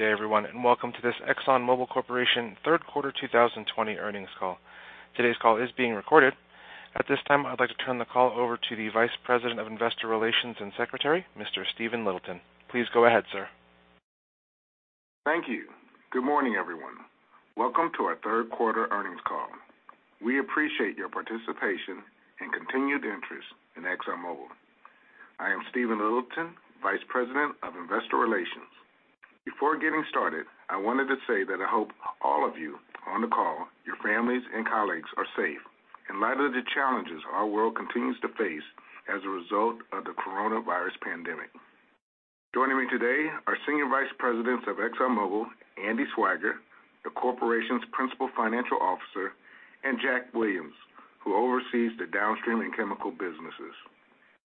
Good day, everyone, and welcome to this Exxon Mobil Corporation third quarter 2020 earnings call. Today's call is being recorded. At this time, I'd like to turn the call over to the Vice President of Investor Relations and Secretary, Mr. Stephen Littleton. Please go ahead, sir. Thank you. Good morning, everyone. Welcome to our third-quarter earnings call. We appreciate your participation and continued interest in Exxon Mobil. I am Stephen Littleton, Vice President of Investor Relations. Before getting started, I wanted to say that I hope all of you on the call, your families, and colleagues are safe in light of the challenges our world continues to face as a result of the coronavirus pandemic. Joining me today are senior vice presidents of Exxon Mobil, Andy Swiger, the corporation's Principal Financial Officer, and Jack Williams, who oversees the downstream and chemical businesses.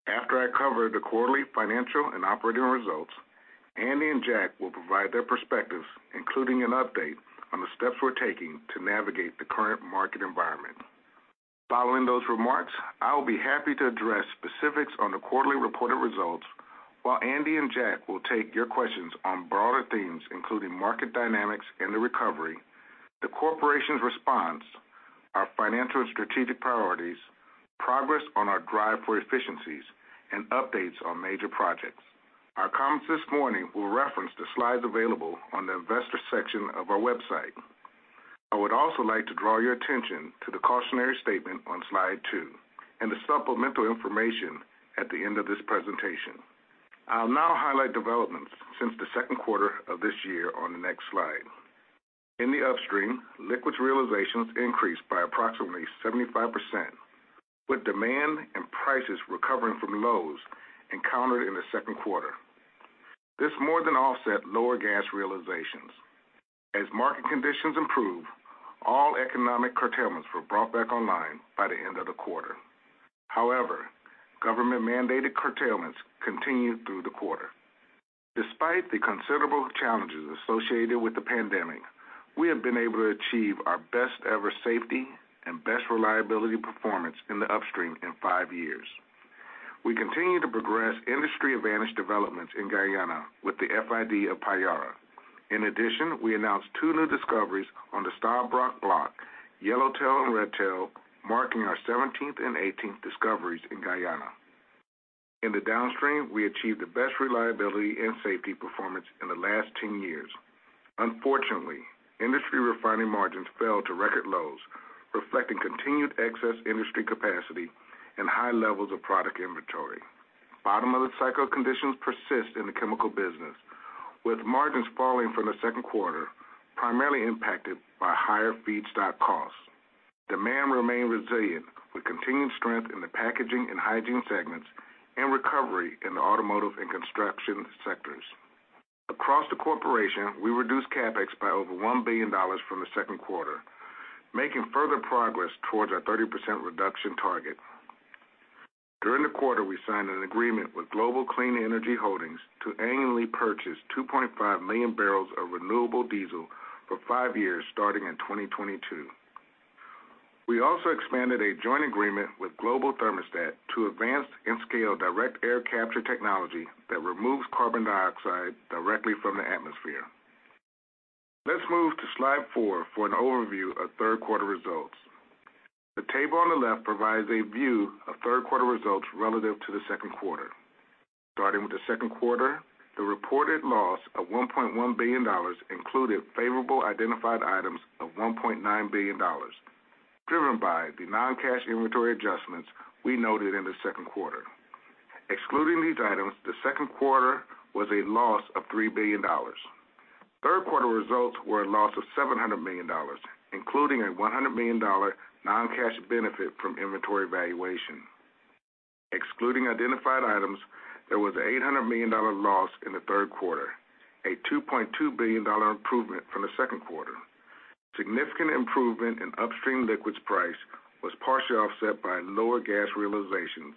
After I cover the quarterly financial and operating results, Andy and Jack will provide their perspectives, including an update on the steps we're taking to navigate the current market environment. Following those remarks, I will be happy to address specifics on the quarterly reported results, while Andy and Jack will take your questions on broader themes, including market dynamics and the recovery, the Corporation's response, our financial and strategic priorities, progress on our drive for efficiencies, and updates on major projects. Our comments this morning will reference the slides available on the investor section of our website. I would also like to draw your attention to the cautionary statement on slide two and the supplemental information at the end of this presentation. I'll now highlight developments since the second quarter of this year on the next slide. In the upstream, liquids realizations increased by approximately 75%, with demand and prices recovering from lows encountered in the second quarter. This more than offset lower gas realizations. As market conditions improved, all economic curtailments were brought back online by the end of the quarter. However, government-mandated curtailments continued through the quarter. Despite the considerable challenges associated with the pandemic, we have been able to achieve our best-ever safety and best reliability performance in the upstream in five years. We continue to progress industry advantage developments in Guyana with the FID of Payara. In addition, we announced two new discoveries on the Stabroek Block, Yellowtail and Redtail, marking our 17th and 18th discoveries in Guyana. In the downstream, we achieved the best reliability and safety performance in the last 10 years. Unfortunately, industry refining margins fell to record lows, reflecting continued excess industry capacity and high levels of product inventory. Bottom-of-the-cycle conditions persist in the chemical business, with margins falling from the second quarter, primarily impacted by higher feedstock costs. Demand remained resilient, with continued strength in the packaging and hygiene segments and recovery in the automotive and construction sectors. Across the corporation, we reduced CapEx by over $1 billion from the second quarter, making further progress towards our 30% reduction target. During the quarter, we signed an agreement with Global Clean Energy Holdings to annually purchase 2.5 million barrels of renewable diesel for five years starting in 2022. We also expanded a joint agreement with Global Thermostat to advance and scale direct air capture technology that removes carbon dioxide directly from the atmosphere. Let's move to slide four for an overview of third-quarter results. The table on the left provides a view of third-quarter results relative to the second quarter. Starting with the second quarter, the reported loss of $1.1 billion included favorable identified items of $1.9 billion, driven by the non-cash inventory adjustments we noted in the second quarter. Excluding these items, the second quarter was a loss of $3 billion. Third-quarter results were a loss of $700 million, including a $100 million non-cash benefit from inventory valuation. Excluding identified items, there was a $800 million loss in the third quarter, a $2.2 billion improvement from the second quarter. Significant improvement in upstream liquids price was partially offset by lower gas realizations,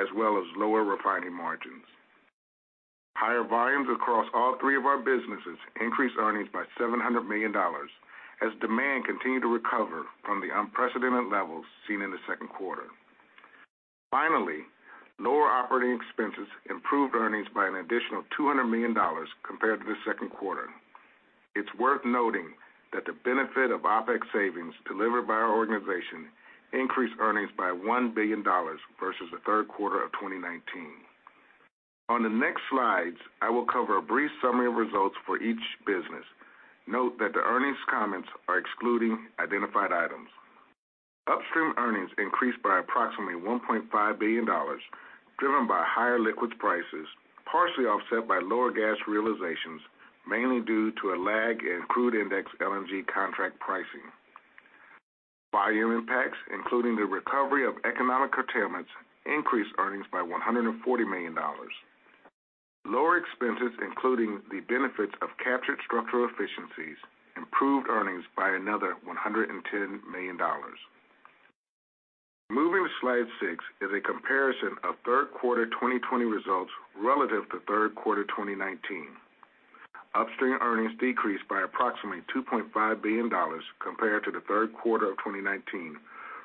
as well as lower refining margins. Higher volumes across all three of our businesses increased earnings by $700 million as demand continued to recover from the unprecedented levels seen in the second quarter. Finally, lower operating expenses improved earnings by an additional $200 million compared to the second quarter. It's worth noting that the benefit of OpEx savings delivered by our organization increased earnings by $1 billion versus the third quarter of 2019. On the next slides, I will cover a brief summary of results for each business. Note that the earnings comments are excluding identified items. Upstream earnings increased by approximately $1.5 billion, driven by higher liquids prices, partially offset by lower gas realizations, mainly due to a lag in crude index LNG contract pricing. Volume impacts, including the recovery of economic curtailments, increased earnings by $140 million. Lower expenses, including the benefits of captured structural efficiencies, improved earnings by another $110 million. Moving to slide six is a comparison of third-quarter 2020 results relative to third-quarter 2019. Upstream earnings decreased by approximately $2.5 billion compared to the third quarter of 2019,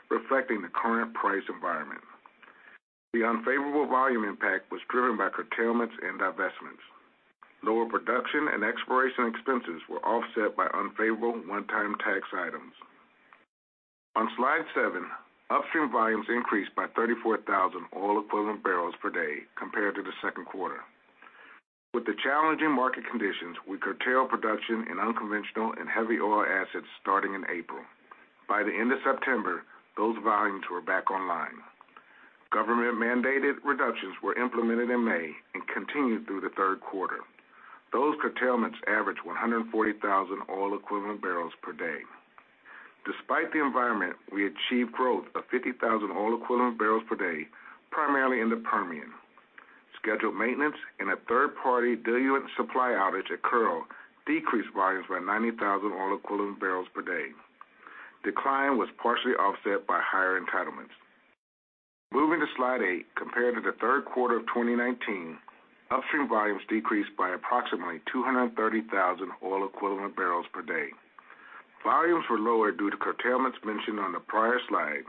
reflecting the current price environment. The unfavorable volume impact was driven by curtailments and divestments. Lower production and exploration expenses were offset by unfavorable one-time tax items. On slide seven, upstream volumes increased by 34,000 boe/d compared to the second quarter. With the challenging market conditions, we curtailed production in unconventional and heavy oil assets starting in April. By the end of September, those volumes were back online. Government-mandated reductions were implemented in May and continued through the third quarter. Those curtailments averaged 140,000 boe/d. Despite the environment, we achieved growth of 50,000 boe/d, primarily in the Permian. Scheduled maintenance and a third-party diluent supply outage at Kearl decreased volumes by 90,000 boe/d. Decline was partially offset by higher entitlements. Moving to slide eight. Compared to the third quarter of 2019, upstream volumes decreased by approximately 230,000 boe/d. Volumes were lower due to curtailments mentioned on the prior slide,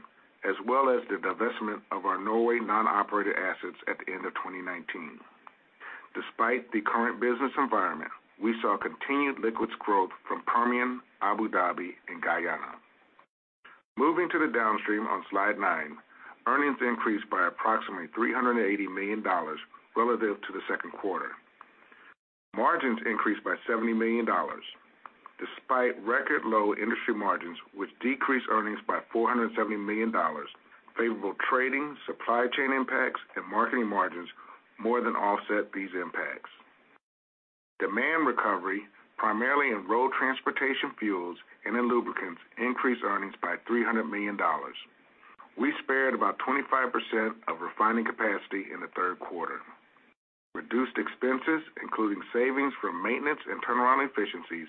as well as the divestment of our Norway non-operated assets at the end of 2019. Despite the current business environment, we saw continued liquids growth from Permian, Abu Dhabi, and Guyana. Moving to the downstream on slide nine, earnings increased by approximately $380 million relative to the second quarter. Margins increased by $70 million. Despite record-low industry margins, which decreased earnings by $470 million, favorable trading, supply chain impacts, and marketing margins more than offset these impacts. Demand recovery, primarily in road transportation fuels and in lubricants, increased earnings by $300 million. We spared about 25% of refining capacity in the third quarter. Reduced expenses, including savings from maintenance and turnaround efficiencies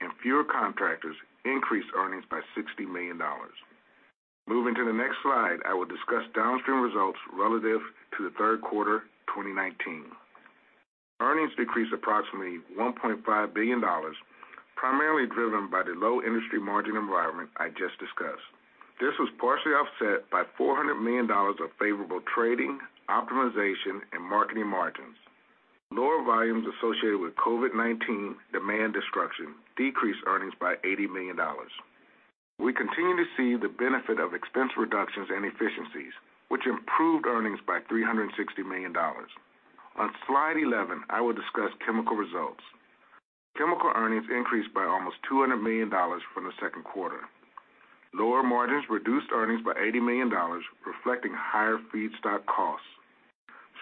and fewer contractors, increased earnings by $60 million. Moving to the next slide, I will discuss downstream results relative to the third quarter of 2019. Earnings decreased approximately $1.5 billion, primarily driven by the low industry margin environment I just discussed. This was partially offset by $400 million of favorable trading, optimization, and marketing margins. Lower volumes associated with COVID-19 demand destruction decreased earnings by $80 million. We continue to see the benefit of expense reductions and efficiencies, which improved earnings by $360 million. On slide 11, I will discuss chemical results. Chemical earnings increased by almost $200 million from the second quarter. Lower margins reduced earnings by $80 million, reflecting higher feedstock costs.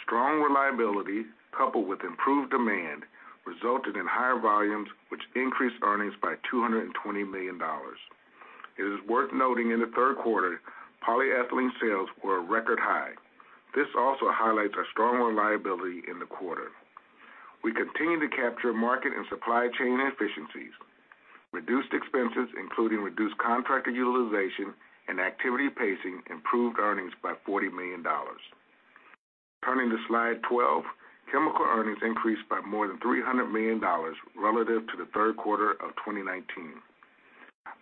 Strong reliability, coupled with improved demand, resulted in higher volumes, which increased earnings by $220 million. It is worth noting in the third quarter, polyethylene sales were a record high. This also highlights our strong reliability in the quarter. We continue to capture market and supply chain efficiencies. Reduced expenses, including reduced contractor utilization and activity pacing, improved earnings by $40 million. Turning to slide 12, chemical earnings increased by more than $300 million relative to the third quarter of 2019.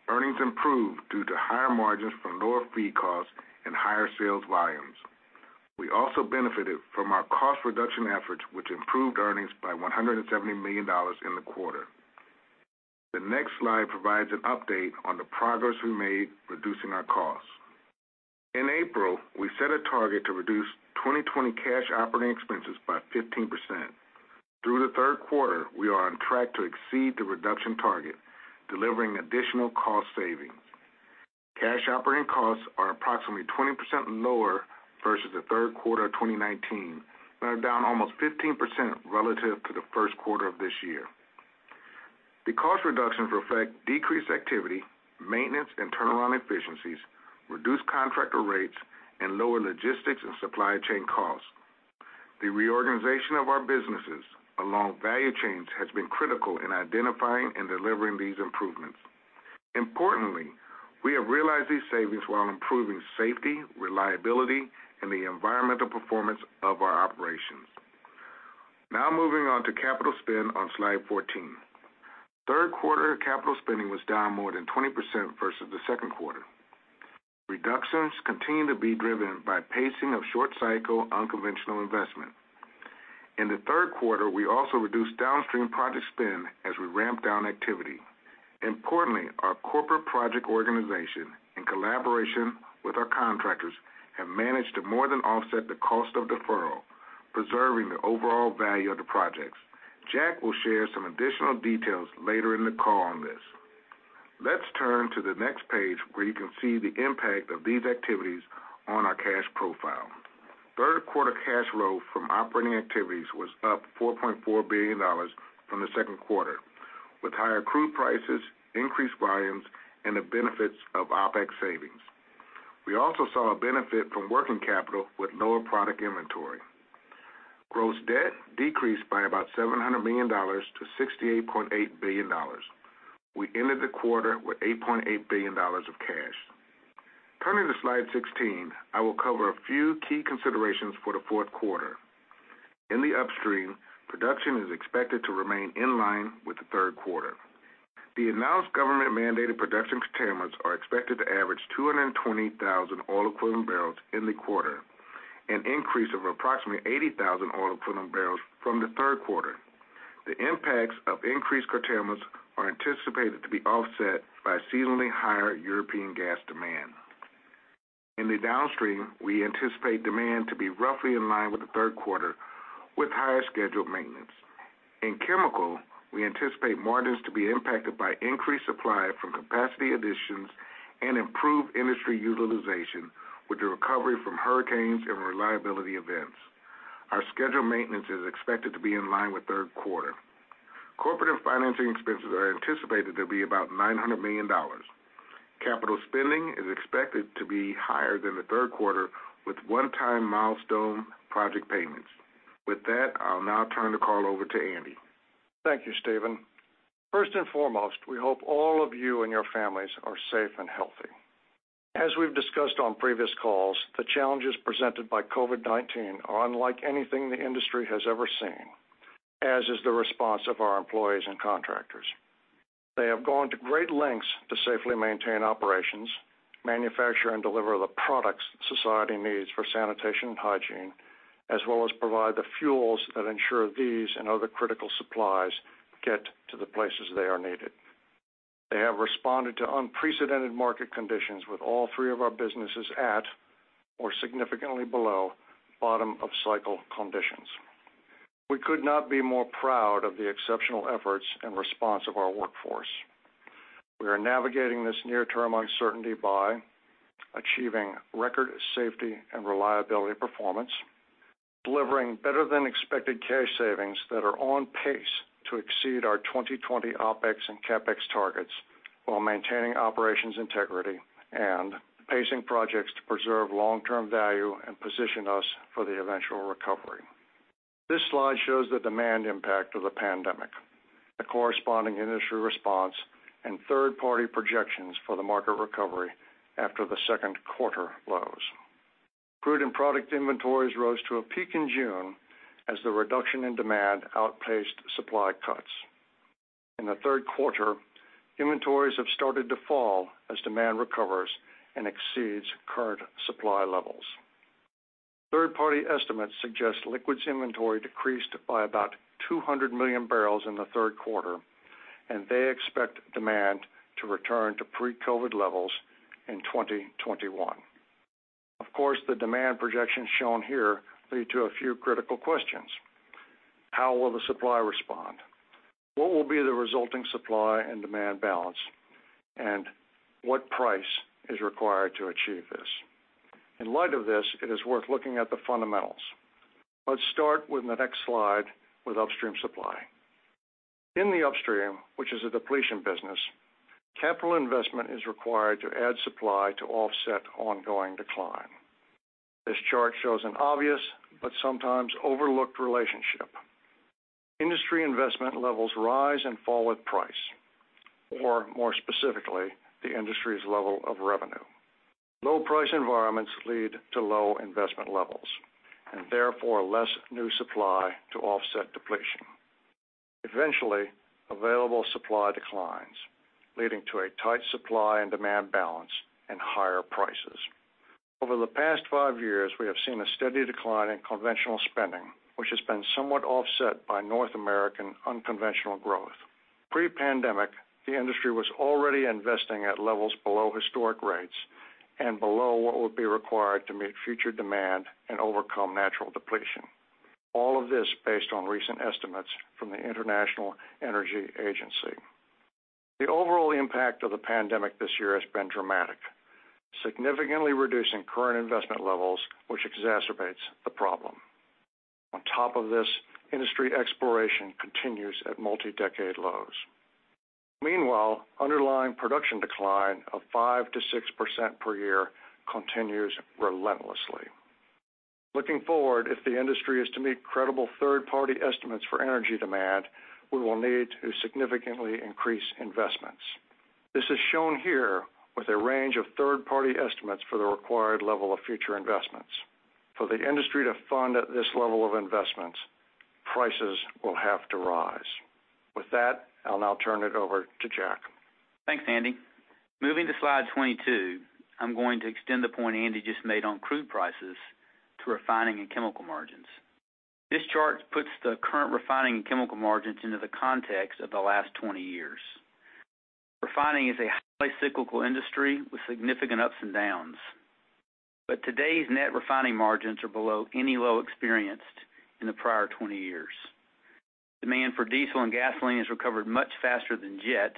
Earnings improved due to higher margins from lower feed costs and higher sales volumes. We also benefited from our cost reduction efforts, which improved earnings by $170 million in the quarter. The next slide provides an update on the progress we made reducing our costs. In April, we set a target to reduce 2020 cash operating expenses by 15%. Through the third quarter, we are on track to exceed the reduction target, delivering additional cost savings. Cash operating costs are approximately 20% lower versus the third quarter of 2019 and are down almost 15% relative to the first quarter of this year. The cost reductions reflect decreased activity, maintenance and turnaround efficiencies, reduced contractor rates, and lower logistics and supply chain costs. The reorganization of our businesses along value chains has been critical in identifying and delivering these improvements. Importantly, we have realized these savings while improving safety, reliability, and the environmental performance of our operations. Now moving on to capital spend on slide 14. Third quarter capital spending was down more than 20% versus the second quarter. Reductions continue to be driven by pacing of short-cycle unconventional investment. In the third quarter, we also reduced downstream project spend as we ramped down activity. Importantly, our corporate project organization, in collaboration with our contractors, have managed to more than offset the cost of deferral, preserving the overall value of the projects. Jack will share some additional details later in the call on this. Let’s turn to the next page where you can see the impact of these activities on our cash profile. Third quarter cash flow from operating activities was up $4.4 billion from the second quarter, with higher crude prices, increased volumes, and the benefits of OpEx savings. We also saw a benefit from working capital with lower product inventory. Gross debt decreased by about $700 million-$68.8 billion. We ended the quarter with $8.8 billion of cash. Turning to slide 16, I will cover a few key considerations for the fourth quarter. In the upstream, production is expected to remain in line with the third quarter. The announced government-mandated production curtailments are expected to average 220,000 boe in the quarter, an increase of approximately 80,000 boe from the third quarter. The impacts of increased curtailments are anticipated to be offset by seasonally higher European gas demand. In the downstream, we anticipate demand to be roughly in line with the third quarter with higher scheduled maintenance. In chemical, we anticipate margins to be impacted by increased supply from capacity additions and improved industry utilization with the recovery from hurricanes and reliability events. Our scheduled maintenance is expected to be in line with third quarter. Corporate and financing expenses are anticipated to be about $900 million. Capital spending is expected to be higher than the third quarter, with one-time milestone project payments. With that, I'll now turn the call over to Andy. Thank you, Stephen. First and foremost, we hope all of you and your families are safe and healthy. As we've discussed on previous calls, the challenges presented by COVID-19 are unlike anything the industry has ever seen, as is the response of our employees and contractors. They have gone to great lengths to safely maintain operations, manufacture and deliver the products society needs for sanitation and hygiene, as well as provide the fuels that ensure these and other critical supplies get to the places they are needed. They have responded to unprecedented market conditions with all three of our businesses at or significantly below bottom of cycle conditions. We could not be more proud of the exceptional efforts and response of our workforce. We are navigating this near-term uncertainty by achieving record safety and reliability performance, delivering better than expected cash savings that are on pace to exceed our 2020 OpEx and CapEx targets while maintaining operations integrity and pacing projects to preserve long-term value and position us for the eventual recovery. This slide shows the demand impact of the pandemic, the corresponding industry response, and third-party projections for the market recovery after the second quarter lows. Crude and product inventories rose to a peak in June as the reduction in demand outpaced supply cuts. In the third quarter, inventories have started to fall as demand recovers and exceeds current supply levels. Third-party estimates suggest liquids inventory decreased by about 200 million barrels in the third quarter. They expect demand to return to pre-COVID levels in 2021. Of course, the demand projections shown here lead to a few critical questions. How will the supply respond? What will be the resulting supply and demand balance? What price is required to achieve this? In light of this, it is worth looking at the fundamentals. Let's start with the next slide with upstream supply. In the upstream, which is a depletion business, capital investment is required to add supply to offset ongoing decline. This chart shows an obvious but sometimes overlooked relationship. Industry investment levels rise and fall with price, or more specifically, the industry's level of revenue. Low-price environments lead to low investment levels, and therefore less new supply to offset depletion. Eventually, available supply declines, leading to a tight supply and demand balance and higher prices. Over the past five years, we have seen a steady decline in conventional spending, which has been somewhat offset by North American unconventional growth. Pre-pandemic, the industry was already investing at levels below historic rates and below what would be required to meet future demand and overcome natural depletion. All of this based on recent estimates from the International Energy Agency. The overall impact of the pandemic this year has been dramatic, significantly reducing current investment levels, which exacerbates the problem. On top of this, industry exploration continues at multi-decade lows. Meanwhile, underlying production decline of 5%-6% per year continues relentlessly. Looking forward, if the industry is to meet credible third-party estimates for energy demand, we will need to significantly increase investments. This is shown here with a range of third-party estimates for the required level of future investments. For the industry to fund at this level of investments, prices will have to rise. With that, I'll now turn it over to Jack. Thanks, Andy. Moving to slide 22, I'm going to extend the point Andy just made on crude prices to refining and chemical margins. This chart puts the current refining and chemical margins into the context of the last 20 years. Refining is a highly cyclical industry with significant ups and downs. Today's net refining margins are below any low experienced in the prior 20 years. Demand for diesel and gasoline has recovered much faster than jet,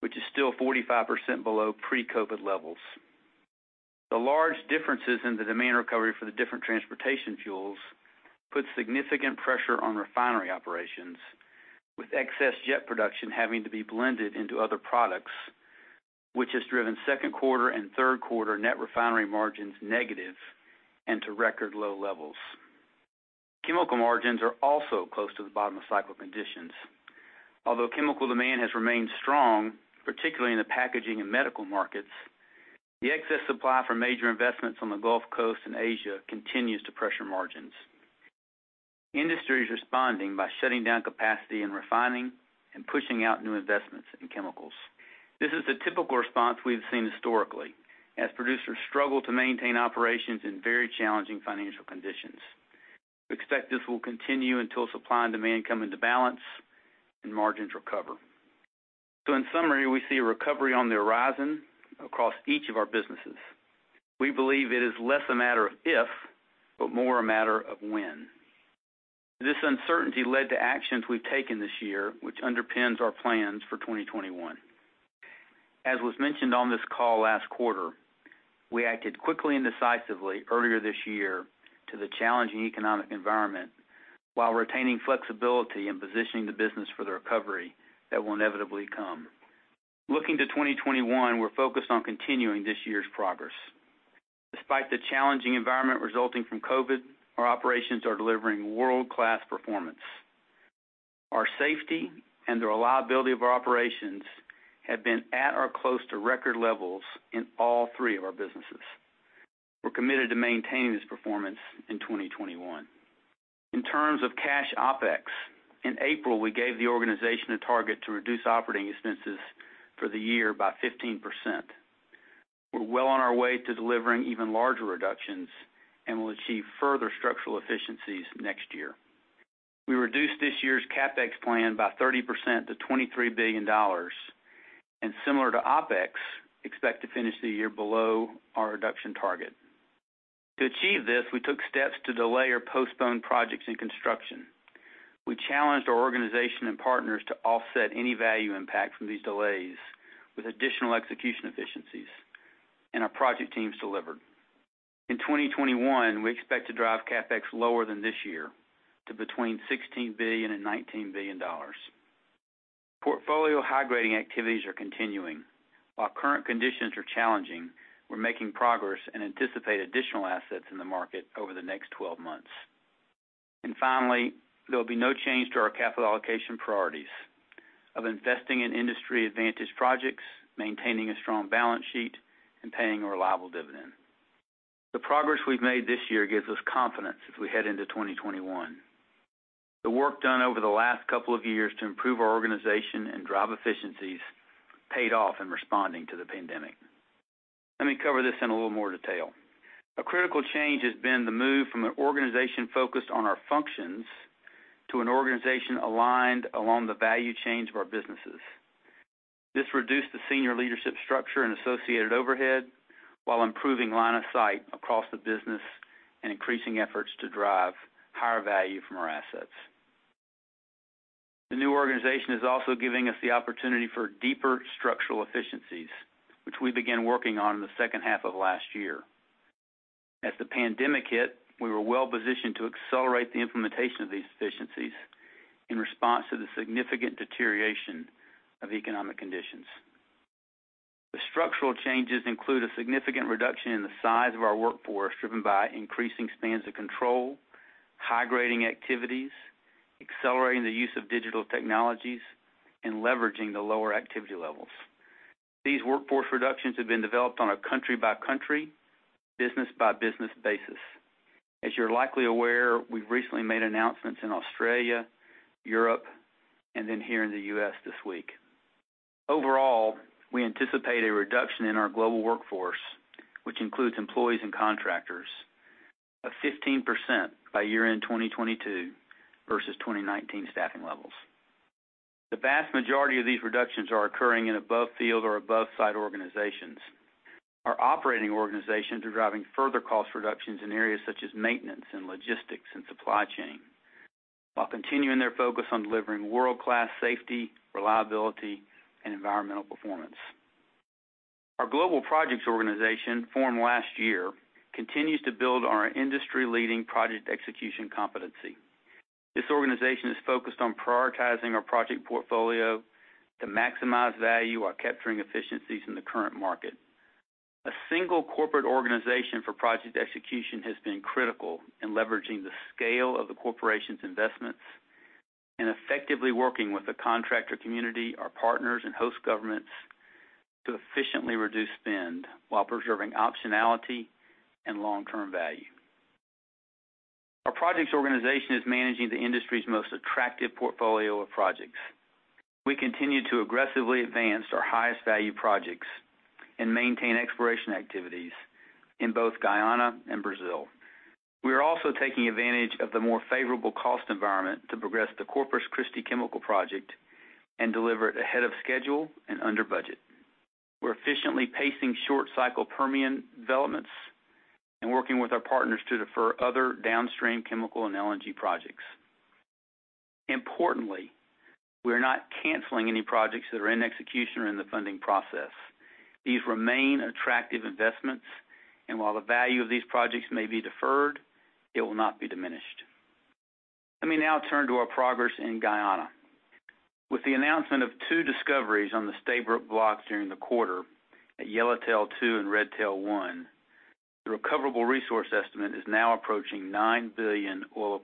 which is still 45% below pre-COVID-19 levels. The large differences in the demand recovery for the different transportation fuels puts significant pressure on refinery operations, with excess jet production having to be blended into other products, which has driven second quarter and third quarter net refinery margins negative and to record low levels. Chemical margins are also close to the bottom of cycle conditions. Chemical demand has remained strong, particularly in the packaging and medical markets, the excess supply for major investments on the Gulf Coast and Asia continues to pressure margins. Industry is responding by shutting down capacity and refining and pushing out new investments in chemicals. This is the typical response we've seen historically, as producers struggle to maintain operations in very challenging financial conditions. We expect this will continue until supply and demand come into balance and margins recover. In summary, we see a recovery on the horizon across each of our businesses. We believe it is less a matter of if, but more a matter of when. This uncertainty led to actions we've taken this year, which underpins our plans for 2021. As was mentioned on this call last quarter, we acted quickly and decisively earlier this year to the challenging economic environment while retaining flexibility and positioning the business for the recovery that will inevitably come. Looking to 2021, we're focused on continuing this year's progress. Despite the challenging environment resulting from COVID-19, our operations are delivering world-class performance. Our safety and the reliability of our operations have been at or close to record levels in all three of our businesses. We're committed to maintaining this performance in 2021. In terms of cash OpEx, in April, we gave the organization a target to reduce operating expenses for the year by 15%. We're well on our way to delivering even larger reductions and will achieve further structural efficiencies next year. We reduced this year's CapEx plan by 30% to $23 billion, and similar to OpEx, expect to finish the year below our reduction target. To achieve this, we took steps to delay or postpone projects in construction. We challenged our organization and partners to offset any value impact from these delays with additional execution efficiencies, and our project teams delivered. In 2021, we expect to drive CapEx lower than this year to between $16 billion and $19 billion. Portfolio high-grading activities are continuing. While current conditions are challenging, we're making progress and anticipate additional assets in the market over the next 12 months. Finally, there will be no change to our capital allocation priorities of investing in industry advantage projects, maintaining a strong balance sheet, and paying a reliable dividend. The progress we've made this year gives us confidence as we head into 2021. The work done over the last couple of years to improve our organization and drive efficiencies paid off in responding to the pandemic. Let me cover this in a little more detail. A critical change has been the move from an organization focused on our functions to an organization aligned along the value chains of our businesses. This reduced the senior leadership structure and associated overhead while improving line of sight across the business and increasing efforts to drive higher value from our assets. The new organization is also giving us the opportunity for deeper structural efficiencies, which we began working on in the second half of last year. As the pandemic hit, we were well-positioned to accelerate the implementation of these efficiencies in response to the significant deterioration of economic conditions. The structural changes include a significant reduction in the size of our workforce, driven by increasing spans of control, high-grading activities, accelerating the use of digital technologies, and leveraging the lower activity levels. These workforce reductions have been developed on a country-by-country, business-by-business basis. As you're likely aware, we've recently made announcements in Australia, Europe, and then here in the U.S. this week. Overall, we anticipate a reduction in our global workforce, which includes employees and contractors, of 15% by year-end 2022 versus 2019 staffing levels. The vast majority of these reductions are occurring in above field or above site organizations. Our operating organizations are driving further cost reductions in areas such as maintenance and logistics and supply chain, while continuing their focus on delivering world-class safety, reliability, and environmental performance. Our global projects organization, formed last year, continues to build on our industry-leading project execution competency. This organization is focused on prioritizing our project portfolio to maximize value while capturing efficiencies in the current market. A single corporate organization for project execution has been critical in leveraging the scale of the corporation's investments and effectively working with the contractor community, our partners, and host governments to efficiently reduce spend while preserving optionality and long-term value. Our projects organization is managing the industry's most attractive portfolio of projects. We continue to aggressively advance our highest value projects and maintain exploration activities in both Guyana and Brazil. We are also taking advantage of the more favorable cost environment to progress the Corpus Christi chemical project and deliver it ahead of schedule and under budget. We're efficiently pacing short-cycle Permian developments and working with our partners to defer other downstream chemical and LNG projects. Importantly, we are not canceling any projects that are in execution or in the funding process. These remain attractive investments, and while the value of these projects may be deferred, it will not be diminished. Let me now turn to our progress in Guyana. With the announcement of two discoveries on the Stabroek Block during the quarter at Yellowtail-2 and Redtail-1, the recoverable resource estimate is now approaching 9 billion boe,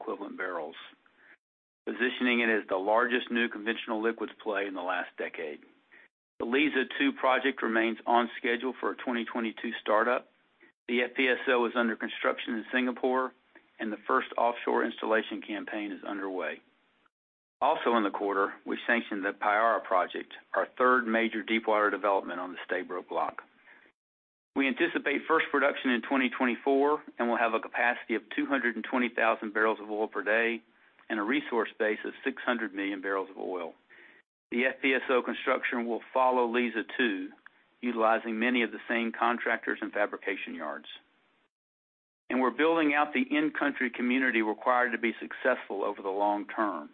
positioning it as the largest new conventional liquids play in the last decade. The Liza Phase 2 project remains on schedule for a 2022 startup. The FPSO is under construction in Singapore, and the first offshore installation campaign is underway. In the quarter, we sanctioned the Payara project, our third major deepwater development on the Stabroek Block. We anticipate first production in 2024, and we'll have a capacity of 220,000 bpd and a resource base of 600 million barrels of oil. The FPSO construction will follow Liza Two, utilizing many of the same contractors and fabrication yards. We're building out the in-country community required to be successful over the long term.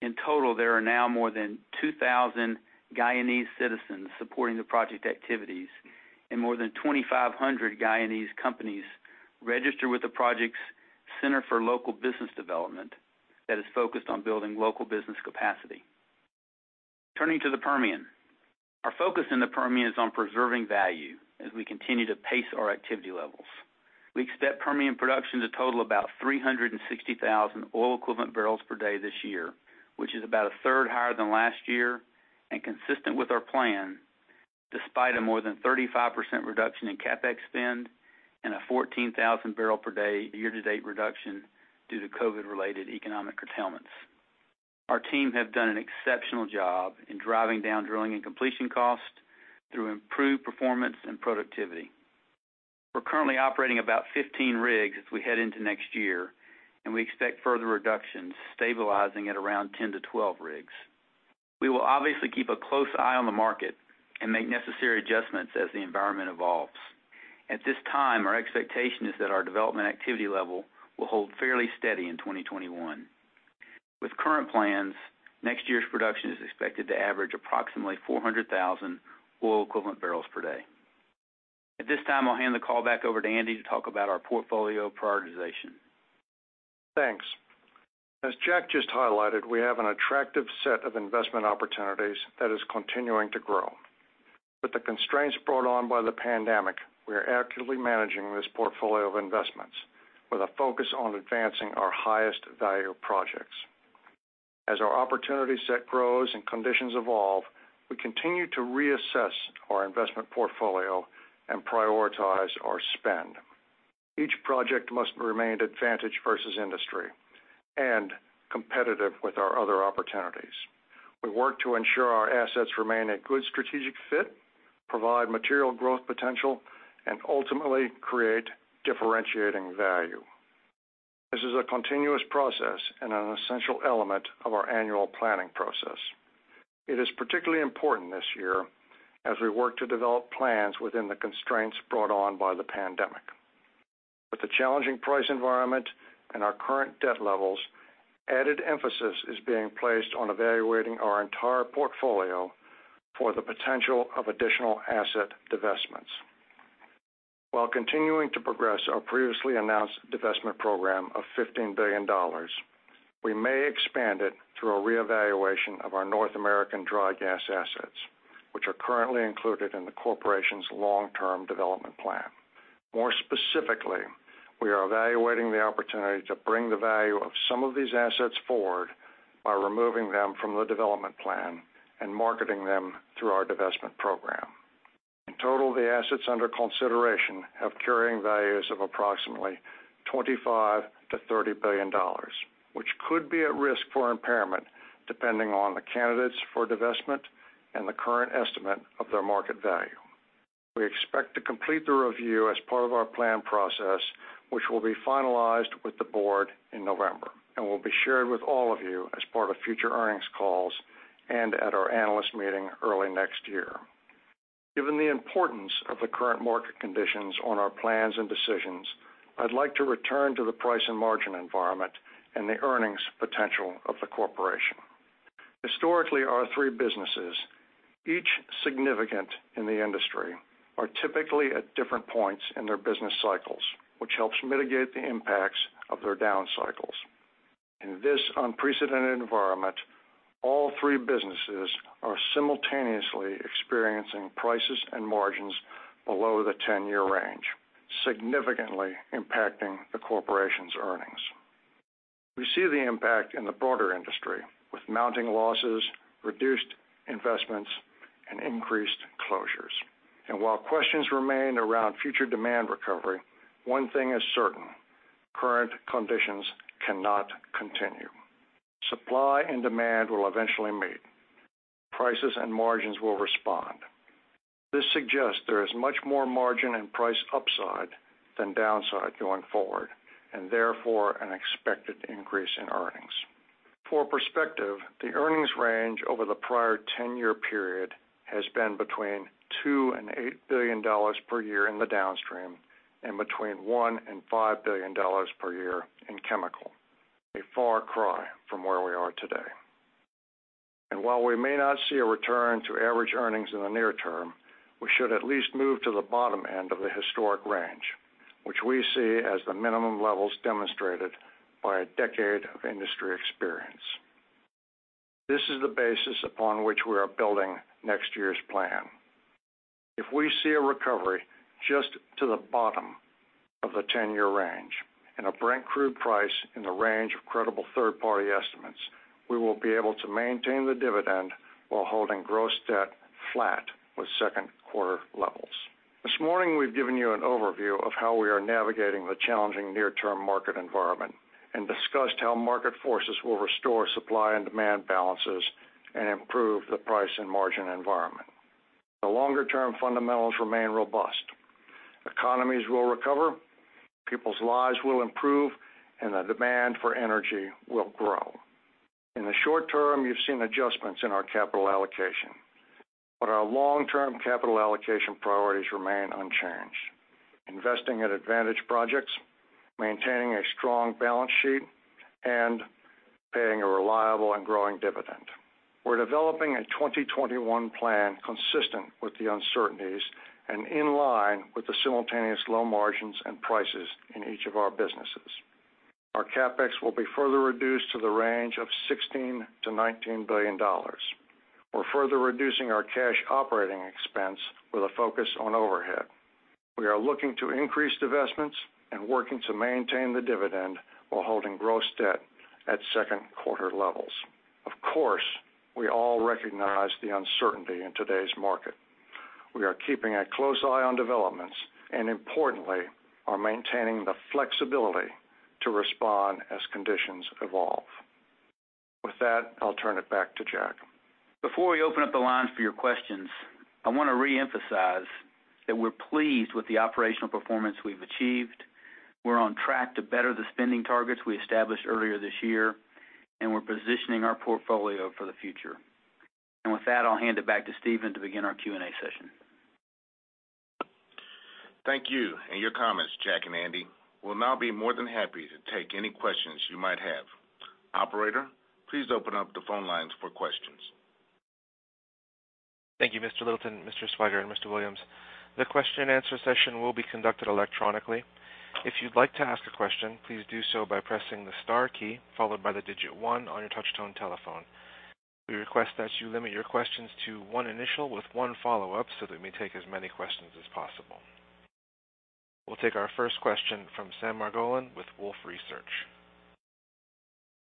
In total, there are now more than 2,000 Guyanese citizens supporting the project activities and more than 2,500 Guyanese companies registered with the project's Centre for Local Business Development that is focused on building local business capacity. Turning to the Permian. Our focus in the Permian is on preserving value as we continue to pace our activity levels. We expect Permian production to total about 360,000 boe/d this year, which is about a third higher than last year and consistent with our plan despite a more than 35% reduction in CapEx spend and a 14,000 bpd year-to-date reduction due to COVID-related economic curtailments. Our team have done an exceptional job in driving down drilling and completion costs through improved performance and productivity. We're currently operating about 15 rigs as we head into next year, and we expect further reductions stabilizing at around 10-12 rigs. We will obviously keep a close eye on the market and make necessary adjustments as the environment evolves. At this time, our expectation is that our development activity level will hold fairly steady in 2021. With current plans, next year's production is expected to average approximately 400,000 boe/d. At this time, I'll hand the call back over to Andy to talk about our portfolio prioritization. Thanks. As Jack just highlighted, we have an attractive set of investment opportunities that is continuing to grow. With the constraints brought on by the pandemic, we are actively managing this portfolio of investments with a focus on advancing our highest value projects. As our opportunity set grows and conditions evolve, we continue to reassess our investment portfolio and prioritize our spend. Each project must remain advantaged versus industry and competitive with our other opportunities. We work to ensure our assets remain a good strategic fit, provide material growth potential, and ultimately create differentiating value. This is a continuous process and an essential element of our annual planning process. It is particularly important this year as we work to develop plans within the constraints brought on by the pandemic. With the challenging price environment and our current debt levels, added emphasis is being placed on evaluating our entire portfolio for the potential of additional asset divestments. While continuing to progress our previously announced divestment program of $15 billion, we may expand it through a reevaluation of our North American dry gas assets, which are currently included in the corporation's long-term development plan. More specifically, we are evaluating the opportunity to bring the value of some of these assets forward by removing them from the development plan and marketing them through our divestment program. In total, the assets under consideration have carrying values of approximately $25 billion-$30 billion, which could be at risk for impairment depending on the candidates for divestment and the current estimate of their market value. We expect to complete the review as part of our plan process, which will be finalized with the Board in November and will be shared with all of you as part of future earnings calls and at our analyst meeting early next year. Given the importance of the current market conditions on our plans and decisions, I'd like to return to the price and margin environment and the earnings potential of the corporation. Historically, our three businesses, each significant in the industry, are typically at different points in their business cycles, which helps mitigate the impacts of their down cycles. In this unprecedented environment, all three businesses are simultaneously experiencing prices and margins below the 10-year range, significantly impacting the corporation's earnings. We see the impact in the broader industry with mounting losses, reduced investments, and increased closures. While questions remain around future demand recovery, one thing is certain: current conditions cannot continue. Supply and demand will eventually meet. Prices and margins will respond. This suggests there is much more margin and price upside than downside going forward, and therefore an expected increase in earnings. For perspective, the earnings range over the prior 10-year period has been between $2 billion and $8 billion per year in the downstream and between $1 billion and $5 billion per year in Chemical, a far cry from where we are today. While we may not see a return to average earnings in the near term, we should at least move to the bottom end of the historic range, which we see as the minimum levels demonstrated by a decade of industry experience. This is the basis upon which we are building next year's plan. If we see a recovery just to the bottom of the 10-year range and a Brent crude price in the range of credible third-party estimates, we will be able to maintain the dividend while holding gross debt flat with second quarter levels. This morning, we've given you an overview of how we are navigating the challenging near-term market environment and discussed how market forces will restore supply and demand balances and improve the price and margin environment. The longer-term fundamentals remain robust. Economies will recover, people's lives will improve, and the demand for energy will grow. In the short term, you've seen adjustments in our capital allocation, but our long-term capital allocation priorities remain unchanged, investing in advantage projects, maintaining a strong balance sheet, and paying a reliable and growing dividend. We're developing a 2021 plan consistent with the uncertainties and in line with the simultaneous low margins and prices in each of our businesses. Our CapEx will be further reduced to the range of $16 billion-$19 billion. We're further reducing our cash operating expense with a focus on overhead. We are looking to increase divestments and working to maintain the dividend while holding gross debt at second-quarter levels. Of course, we all recognize the uncertainty in today's market. We are keeping a close eye on developments and importantly, are maintaining the flexibility to respond as conditions evolve. With that, I'll turn it back to Jack. Before we open up the lines for your questions, I want to reemphasize that we're pleased with the operational performance we've achieved. We're on track to better the spending targets we established earlier this year, and we're positioning our portfolio for the future. With that, I'll hand it back to Stephen to begin our Q&A session. Thank you, and your comments, Jack and Andy. We'll now be more than happy to take any questions you might have. Operator, please open up the phone lines for questions. Thank you, Mr. Littleton, Mr. Swiger, and Mr. Williams. The question-and-answer session will be conducted electronically. If you would like to ask a question please do so by pressing the star key followed by the digit one on your touchtone telephone. We request that you limit your questions to one initial with one follow-up so that we may take as many questions as possible. We'll take our first question from Sam Margolin with Wolfe Research.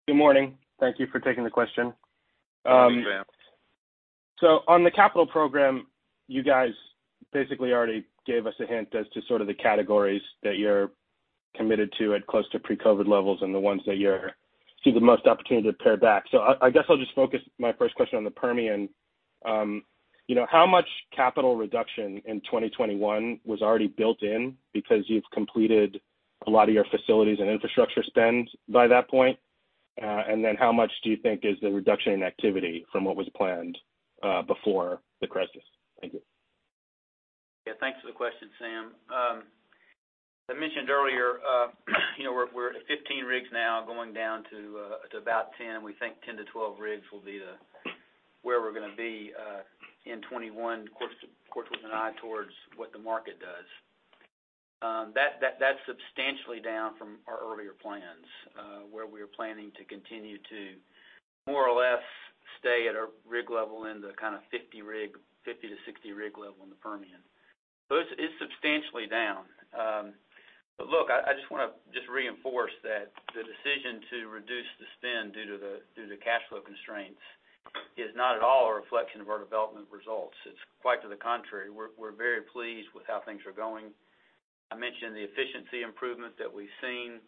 Good morning. Thank you for taking the question. Good morning, Sam. On the Capital program, you guys basically already gave us a hint as to sort of the categories that you're committed to at close to pre-COVID-19 levels and the ones that you see the most opportunity to pare back. I guess I'll just focus my first question on the Permian. How much CapEx reduction in 2021 was already built in because you've completed a lot of your facilities and infrastructure spend by that point? How much do you think is the reduction in activity from what was planned before the crisis? Thank you. Yeah, thanks for the question, Sam. I mentioned earlier, we're at 15 rigs now, going down to about 10 rigs. We think 10-12 rigs will be where we're going to be in 2021, of course, with an eye towards what the market does. That's substantially down from our earlier plans, where we were planning to continue to more or less stay at a rig level in the kind of 50 to 60 rig level in the Permian. It's substantially down. Look, I just want to reinforce that the decision to reduce the spend due to the cash flow constraints is not at all a reflection of our development results. It's quite to the contrary. We're very pleased with how things are going. I mentioned the efficiency improvement that we've seen.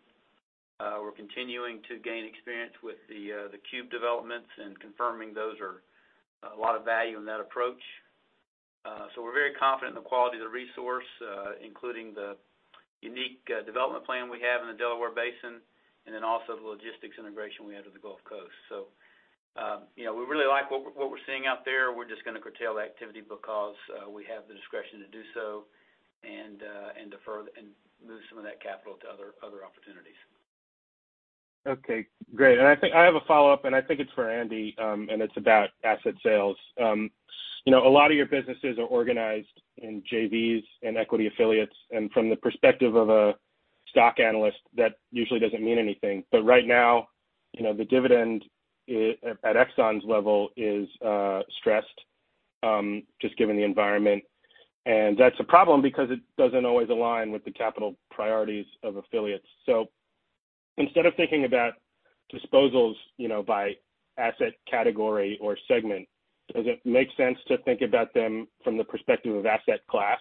We're continuing to gain experience with the cube developments and confirming those are a lot of value in that approach. We're very confident in the quality of the resource, including the unique development plan we have in the Delaware Basin and then also the logistics integration we have to the Gulf Coast. We really like what we're seeing out there. We're just going to curtail the activity because we have the discretion to do so and move some of that capital to other opportunities. Okay, great. I think I have a follow-up, and I think it's for Andy, and it's about asset sales. A lot of your businesses are organized in JVs and equity affiliates, from the perspective of a stock analyst, that usually doesn't mean anything. Right now, the dividend at Exxon's level is stressed, just given the environment. That's a problem because it doesn't always align with the capital priorities of affiliates. Instead of thinking about disposals by asset category or segment, does it make sense to think about them from the perspective of asset class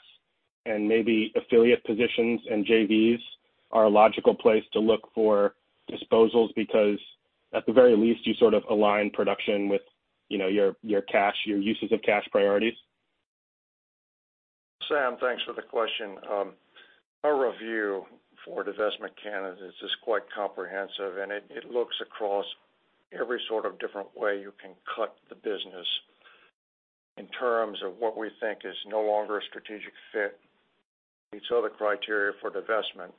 and maybe affiliate positions and JVs are a logical place to look for disposals because at the very least, you sort of align production with your uses of cash priorities? Sam, thanks for the question. Our review for divestment candidates is quite comprehensive. It looks across every sort of different way you can cut the business in terms of what we think is no longer a strategic fit. We saw the criteria for divestment,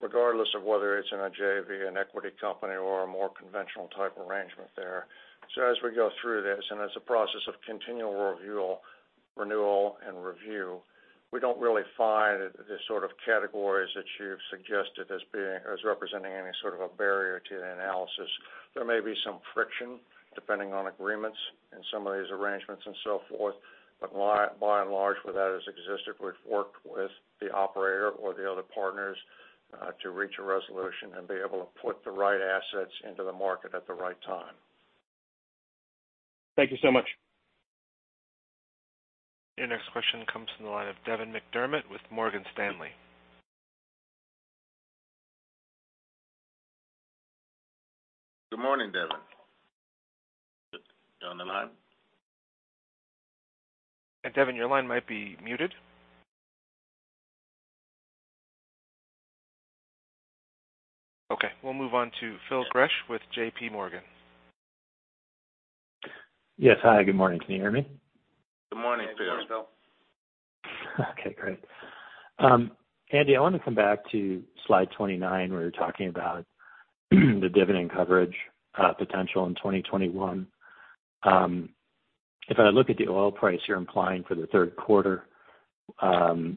regardless of whether it's in a JV, an equity company or a more conventional type arrangement there. As we go through this, it's a process of continual renewal and review. We don't really find the sort of categories that you've suggested as representing any sort of a barrier to the analysis. There may be some friction depending on agreements in some of these arrangements and so forth. By and large, where that has existed, we've worked with the operator or the other partners to reach a resolution and be able to put the right assets into the market at the right time. Thank you so much. Your next question comes from the line of Devin McDermott with Morgan Stanley. Good morning, Devin. You on the line? Devin, your line might be muted. Okay, we'll move on to Phil Gresh with JPMorgan. Yes. Hi, good morning. Can you hear me? Good morning, Phil. Great. Andy, I want to come back to slide 29, where you're talking about the dividend coverage potential in 2021. I look at the oil price you're implying for the third quarter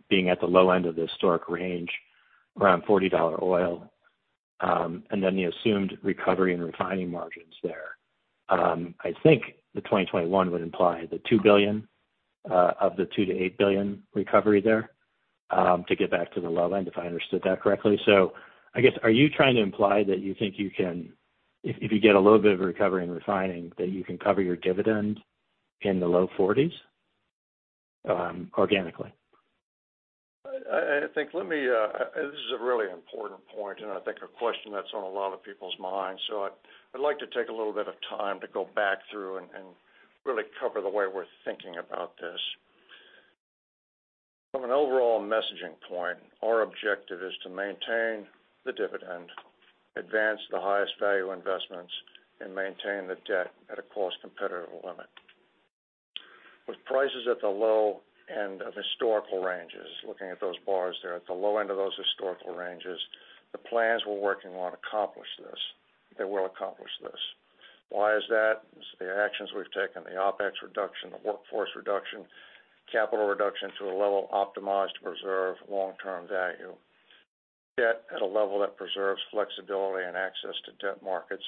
being at the low end of the historic range around $40 oil, and then the assumed recovery and refining margins there. I think the 2021 would imply the $2 billion of the $2 billion-$8 billion recovery there, to get back to the low end, if I understood that correctly. I guess, are you trying to imply that you think if you get a little bit of a recovery in refining, that you can cover your dividend in the low $40s organically? This is a really important point, and I think a question that's on a lot of people's minds. I'd like to take a little bit of time to go back through and really cover the way we're thinking about this. From an overall messaging point, our objective is to maintain the dividend, advance the highest value investments, and maintain the debt at a cost-competitive limit. With prices at the low end of historical ranges, looking at those bars there at the low end of those historical ranges, the plans we're working on accomplish this. They will accomplish this. Why is that? The actions we've taken, the OpEx reduction, the workforce reduction, capital reduction to a level optimized to preserve long-term value, debt at a level that preserves flexibility and access to debt markets,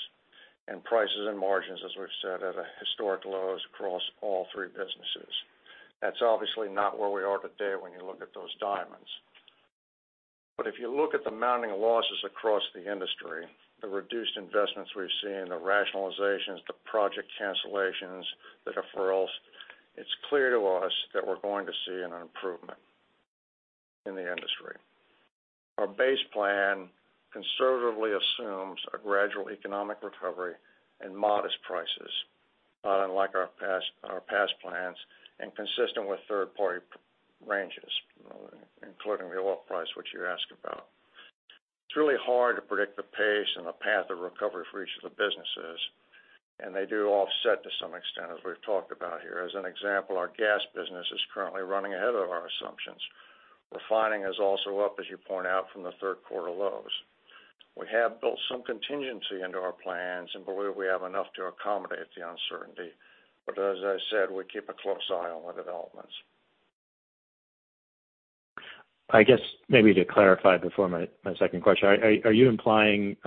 and prices and margins, as we've said, at historic lows across all three businesses. That's obviously not where we are today when you look at those diamonds. But if you look at the mounting losses across the industry, the reduced investments we've seen, the rationalizations, the project cancellations, the deferrals, it's clear to us that we're going to see an improvement in the industry. Our base plan conservatively assumes a gradual economic recovery and modest prices, unlike our past plans, and consistent with third-party ranges, including the oil price, which you asked about. It's really hard to predict the pace and the path of recovery for each of the businesses, and they do offset to some extent, as we've talked about here. As an example, our gas business is currently running ahead of our assumptions. Refining is also up, as you point out, from the third quarter lows. We have built some contingency into our plans and believe we have enough to accommodate the uncertainty. As I said, we keep a close eye on the developments. I guess maybe to clarify before my second question, are you implying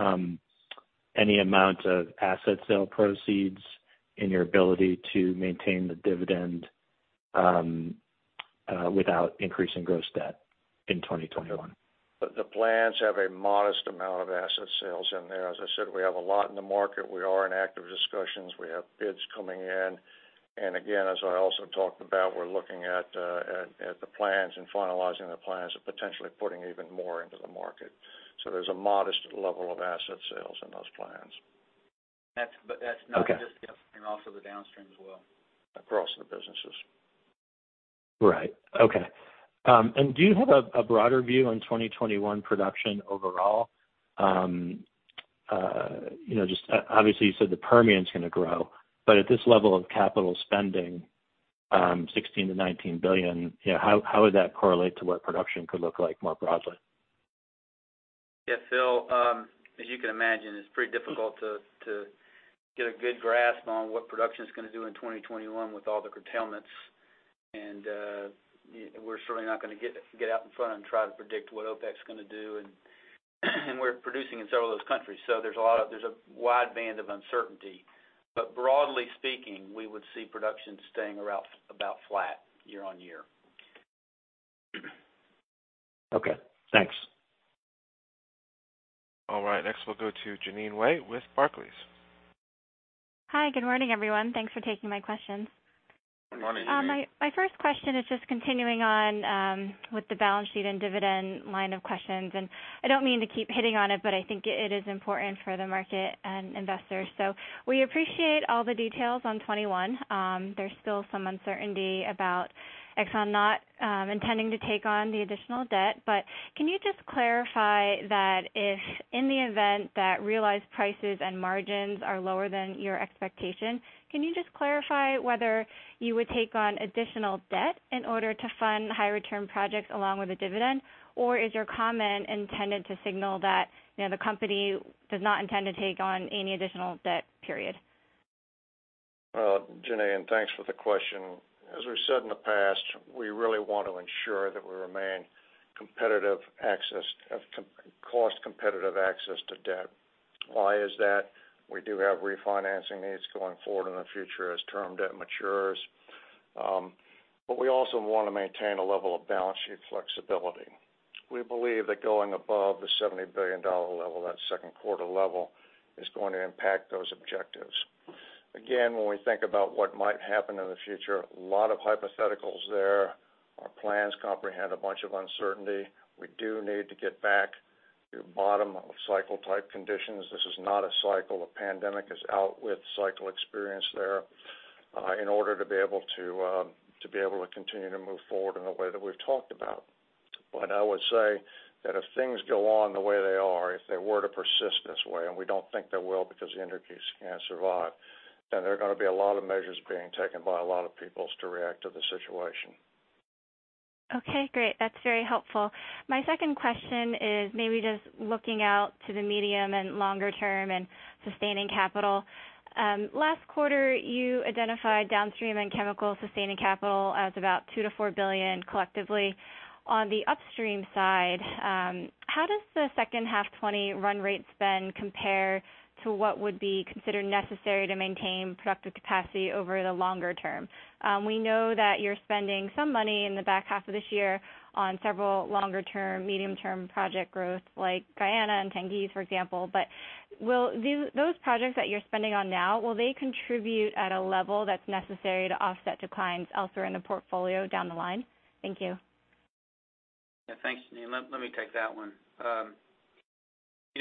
any amount of asset sale proceeds in your ability to maintain the dividend without increasing gross debt in 2021? The plans have a modest amount of asset sales in there. As I said, we have a lot in the market. We are in active discussions. We have bids coming in. Again, as I also talked about, we're looking at the plans and finalizing the plans of potentially putting even more into the market. There's a modest level of asset sales in those plans. That's not just the upstream, also the downstream as well. Across the businesses. Right. Okay. Do you have a broader view on 2021 production overall? Obviously, you said the Permian is going to grow. At this level of capital spending, $16 billion-$19 billion, how would that correlate to what production could look like more broadly? Phil, as you can imagine, it's pretty difficult to get a good grasp on what production is going to do in 2021 with all the curtailments. We're certainly not going to get out in front and try to predict what OpEx going to do. We're producing in several of those countries. There's a wide band of uncertainty. Broadly speaking, we would see production staying around about flat year-on-year. Okay, thanks. All right. Next, we'll go to Jeanine Wai with Barclays. Hi, good morning, everyone. Thanks for taking my questions. Good morning, Jeanine. My first question is just continuing on with the balance sheet and dividend line of questions. I don't mean to keep hitting on it, but I think it is important for the market and investors. We appreciate all the details on 2021. There's still some uncertainty about Exxon not intending to take on the additional debt. Can you just clarify that if in the event that realized prices and margins are lower than your expectation, can you just clarify whether you would take on additional debt in order to fund high return projects along with a dividend? Is your comment intended to signal that the company does not intend to take on any additional debt, period? Jeanine, thanks for the question. As we've said in the past, we really want to ensure that we remain cost competitive access to debt. Why is that? We do have refinancing needs going forward in the future as term debt matures. We also want to maintain a level of balance sheet flexibility. We believe that going above the $70 billion level, that second quarter level, is going to impact those objectives. Again, when we think about what might happen in the future, a lot of hypotheticals there. Our plans comprehend a bunch of uncertainty. We do need to get back to bottom of cycle type conditions. This is not a cycle. A pandemic is out with cycle experience there, in order to be able to continue to move forward in the way that we've talked about. I would say that if things go on the way they are, if they were to persist this way, and we don't think they will because the energy can't survive, then there are going to be a lot of measures being taken by a lot of peoples to react to the situation. Okay, great. That's very helpful. My second question is maybe just looking out to the medium and longer term and sustaining capital. Last quarter, you identified downstream and chemical sustaining capital as about $2 billion-$4 billion collectively. On the upstream side, how does the second half 2020 run rate spend compare to what would be considered necessary to maintain productive capacity over the longer term? We know that you're spending some money in the back half of this year on several longer-term, medium-term project growth, like Guyana and Tengiz, for example. Will those projects that you're spending on now contribute at a level that's necessary to offset declines elsewhere in the portfolio down the line? Thank you. Yeah, thanks, Jeanine. Let me take that one.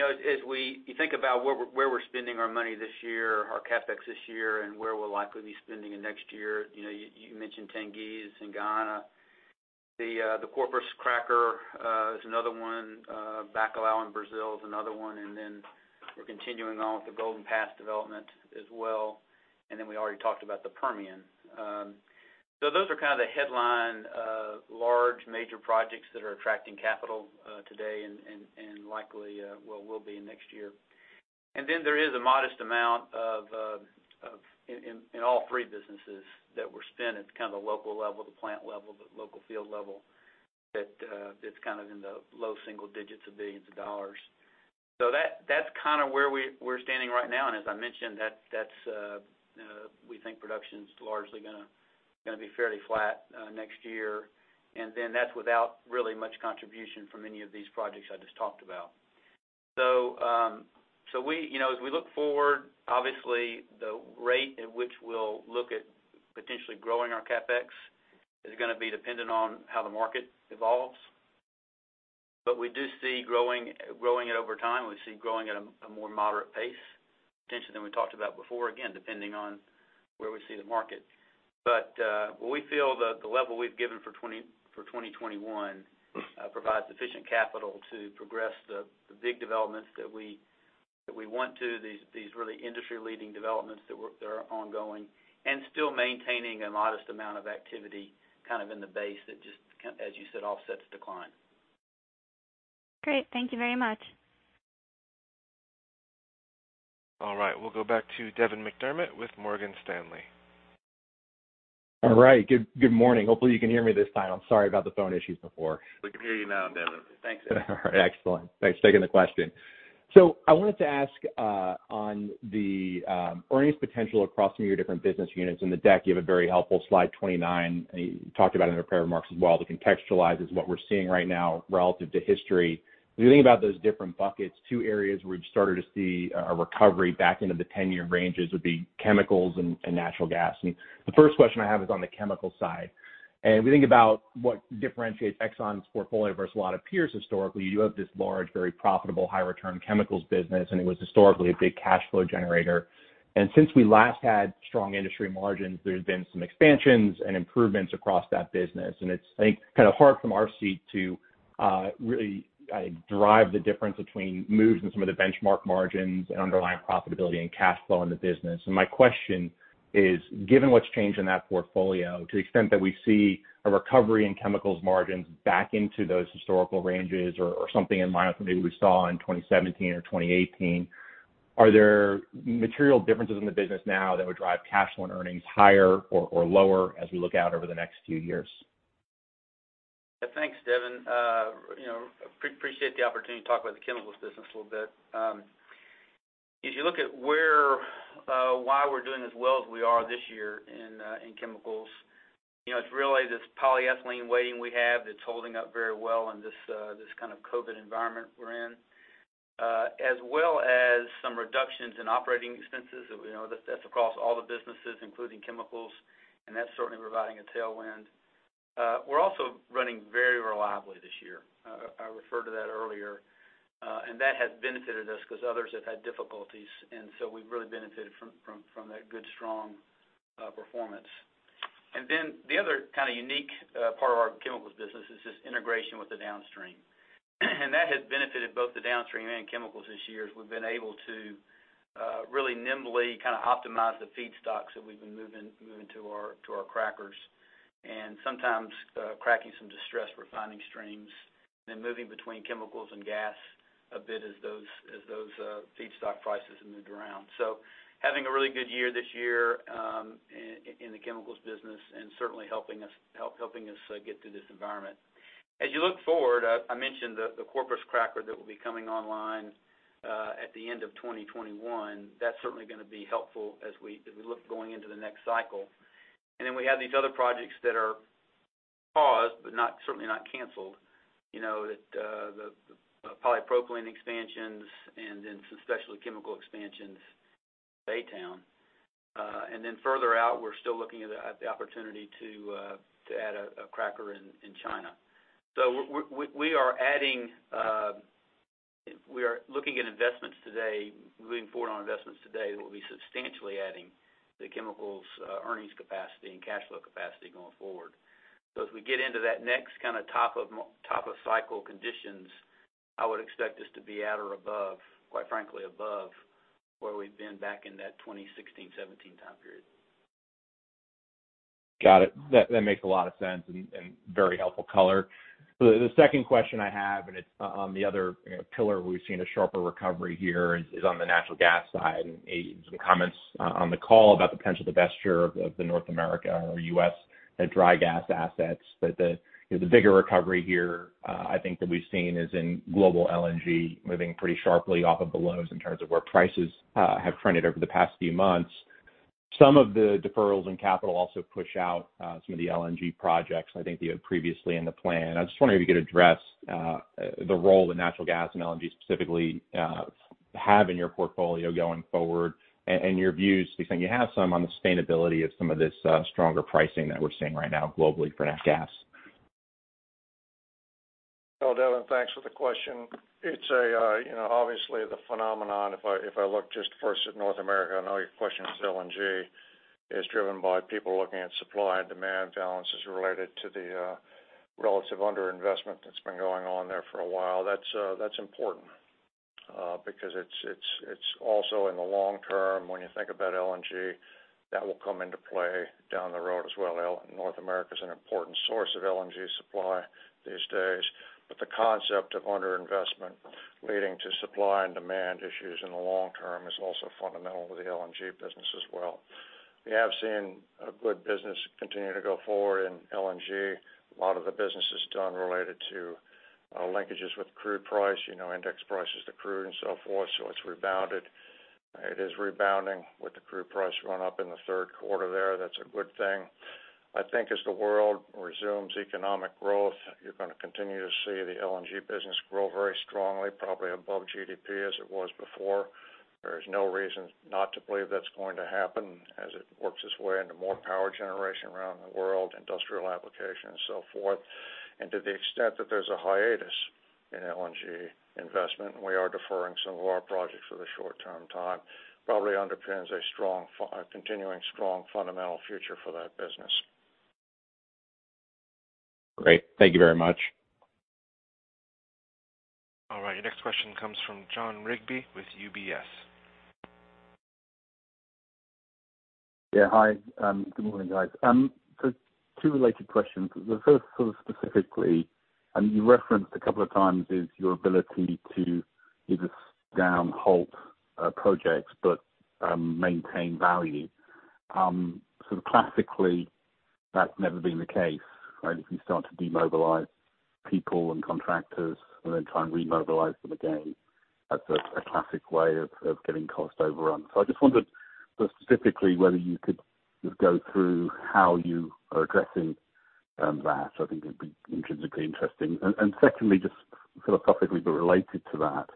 As you think about where we're spending our money this year, our CapEx this year, and where we'll likely be spending it next year. You mentioned Tengiz and Guyana. The Corpus cracker is another one. Bacalhau in Brazil is another one. We're continuing on with the Golden Pass development as well. We already talked about the Permian. Those are kind of the headline large major projects that are attracting capital today and likely will be next year. There is a modest amount in all three businesses that we're spending kind of the local level, the plant level, the local field level, that's kind of in the low single digits of dollars. That's kind of where we're standing right now, and as I mentioned, we think production's largely going to be fairly flat next year. That's without really much contribution from any of these projects I just talked about. As we look forward, obviously the rate at which we'll look at potentially growing our CapEx is going to be dependent on how the market evolves. We do see growing it over time. We see growing at a more moderate pace potentially than we talked about before, again, depending on where we see the market. We feel that the level we've given for 2021 provides sufficient capital to progress the big developments that we want to, these really industry-leading developments that are ongoing and still maintaining a modest amount of activity kind of in the base that just, as you said, offsets decline. Great. Thank you very much. All right. We'll go back to Devin McDermott with Morgan Stanley. All right. Good morning. Hopefully, you can hear me this time. I'm sorry about the phone issues before. We can hear you now, Devin. Thanks. All right. Excellent. Thanks for taking the question. I wanted to ask on the earnings potential across some of your different business units. In the deck, you have a very helpful slide 29, and you talked about it in the prepared remarks as well. To contextualize is what we're seeing right now relative to history. As you think about those different buckets, two areas where we've started to see a recovery back into the 10-year ranges would be chemicals and natural gas. The first question I have is on the chemical side. We think about what differentiates Exxon's portfolio versus a lot of peers historically. You have this large, very profitable, high return chemicals business, and it was historically a big cash flow generator. Since we last had strong industry margins, there's been some expansions and improvements across that business. It's, I think, kind of hard from our seat to really derive the difference between moves in some of the benchmark margins and underlying profitability and cash flow in the business. My question is, given what's changed in that portfolio to the extent that we see a recovery in chemicals margins back into those historical ranges or something in line with maybe we saw in 2017 or 2018. Are there material differences in the business now that would drive cash flow and earnings higher or lower as we look out over the next few years? Thanks, Devin. Appreciate the opportunity to talk about the chemicals business a little bit. If you look at why we're doing as well as we are this year in chemicals, it's really this polyethylene weighting we have that's holding up very well in this kind of COVID environment we're in. As well as some reductions in operating expenses. That's across all the businesses, including chemicals, and that's certainly providing a tailwind. We're also running very reliably this year. I referred to that earlier. That has benefited us because others have had difficulties, and so we've really benefited from that good, strong performance. The other kind of unique part of our chemicals business is this integration with the downstream. That has benefited both the downstream and chemicals this year, as we've been able to really nimbly kind of optimize the feedstocks that we've been moving to our crackers. Sometimes cracking some distressed refining streams, then moving between chemicals and gas a bit as those feedstock prices have moved around. Having a really good year this year in the chemicals business and certainly helping us get through this environment. As you look forward, I mentioned the Corpus cracker that will be coming online at the end of 2021. That's certainly going to be helpful as we look going into the next cycle. Then we have these other projects that are paused, but certainly not canceled. The polypropylene expansions and then some specialty chemical expansions, Baytown. Then further out, we're still looking at the opportunity to add a cracker in China. We are looking at investments today, moving forward on investments today that will be substantially adding the chemicals earnings capacity and cash flow capacity going forward. As we get into that next kind of top of cycle conditions, I would expect us to be at or above, quite frankly above where we've been back in that 2016, 2017 time period. Got it. That makes a lot of sense and very helpful color. The second question I have, and it's on the other pillar we've seen a sharper recovery here is on the natural gas side, and some comments on the call about the potential divestiture of the North America or U.S. dry gas assets. The bigger recovery here I think that we've seen is in global LNG, moving pretty sharply off of the lows in terms of where prices have trended over the past few months. Some of the deferrals in capital also push out some of the LNG projects I think you had previously in the plan. I just wonder if you could address the role that natural gas and LNG specifically have in your portfolio going forward and your views between you have some on the sustainability of some of this stronger pricing that we're seeing right now globally for nat gas? Devin, thanks for the question. Obviously the phenomenon, if I look just first at North America, I know your question is LNG, is driven by people looking at supply and demand balances related to the relative under-investment that's been going on there for a while. That's important because it's also in the long term, when you think about LNG, that will come into play down the road as well. North America's an important source of LNG supply these days, but the concept of under-investment leading to supply and demand issues in the long term is also fundamental to the LNG business as well. We have seen a good business continue to go forward in LNG. A lot of the business is done related to linkages with crude price, index prices to crude and so forth. It's rebounded. It is rebounding with the crude price run-up in the third quarter there. That's a good thing. I think as the world resumes economic growth, you're going to continue to see the LNG business grow very strongly, probably above GDP as it was before. There is no reason not to believe that's going to happen as it works its way into more power generation around the world, industrial application and so forth. To the extent that there's a hiatus in LNG investment, and we are deferring some of our projects for the short-term time, probably underpins a continuing strong fundamental future for that business. Great. Thank you very much. All right. Your next question comes from Jon Rigby with UBS. Yeah. Hi. Good morning, guys. Two related questions. The first sort of specifically, and you referenced a couple of times, is your ability to either slow down, halt projects, but maintain value. Sort of classically, that's never been the case, right? If you start to demobilize people and contractors and then try and remobilize them again, that's a classic way of getting cost overrun. I just wondered specifically whether you could just go through how you are addressing that. I think it'd be intrinsically interesting. Secondly, just philosophically but related to that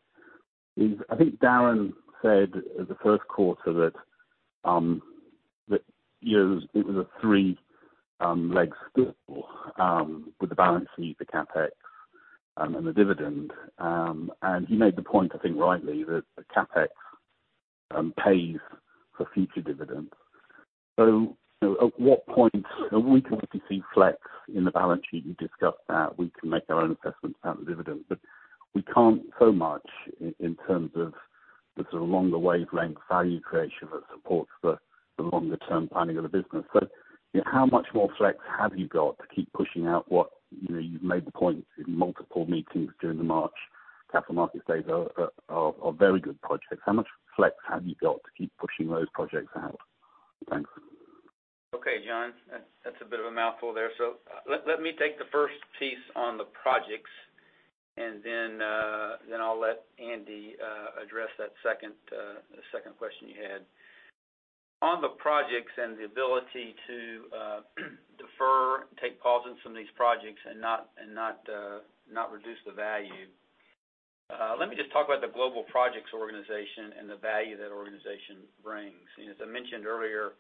is, I think Darren said the first quarter that it was a three-leg stool with the balance sheet, the CapEx, and the dividend. He made the point, I think rightly, that the CapEx pays for future dividends. At what point we can obviously flex in the balance sheet. You discussed that. We can make our own assessments about the dividend, but we can't so much in terms of the sort of longer wavelength value creation that supports the longer-term planning of the business. How much more flex have you got to keep pushing out what you've made the point in multiple meetings during the March capital market days are very good projects. How much flex have you got to keep pushing those projects out? Thanks. Okay, Jon. That's a bit of a mouthful there. Let me take the first piece on the projects, and then I'll let Andy address that second question you had. On the projects and the ability to defer, take pauses on these projects and not reduce the value. Let me just talk about the global projects organization and the value that organization brings. As I mentioned earlier,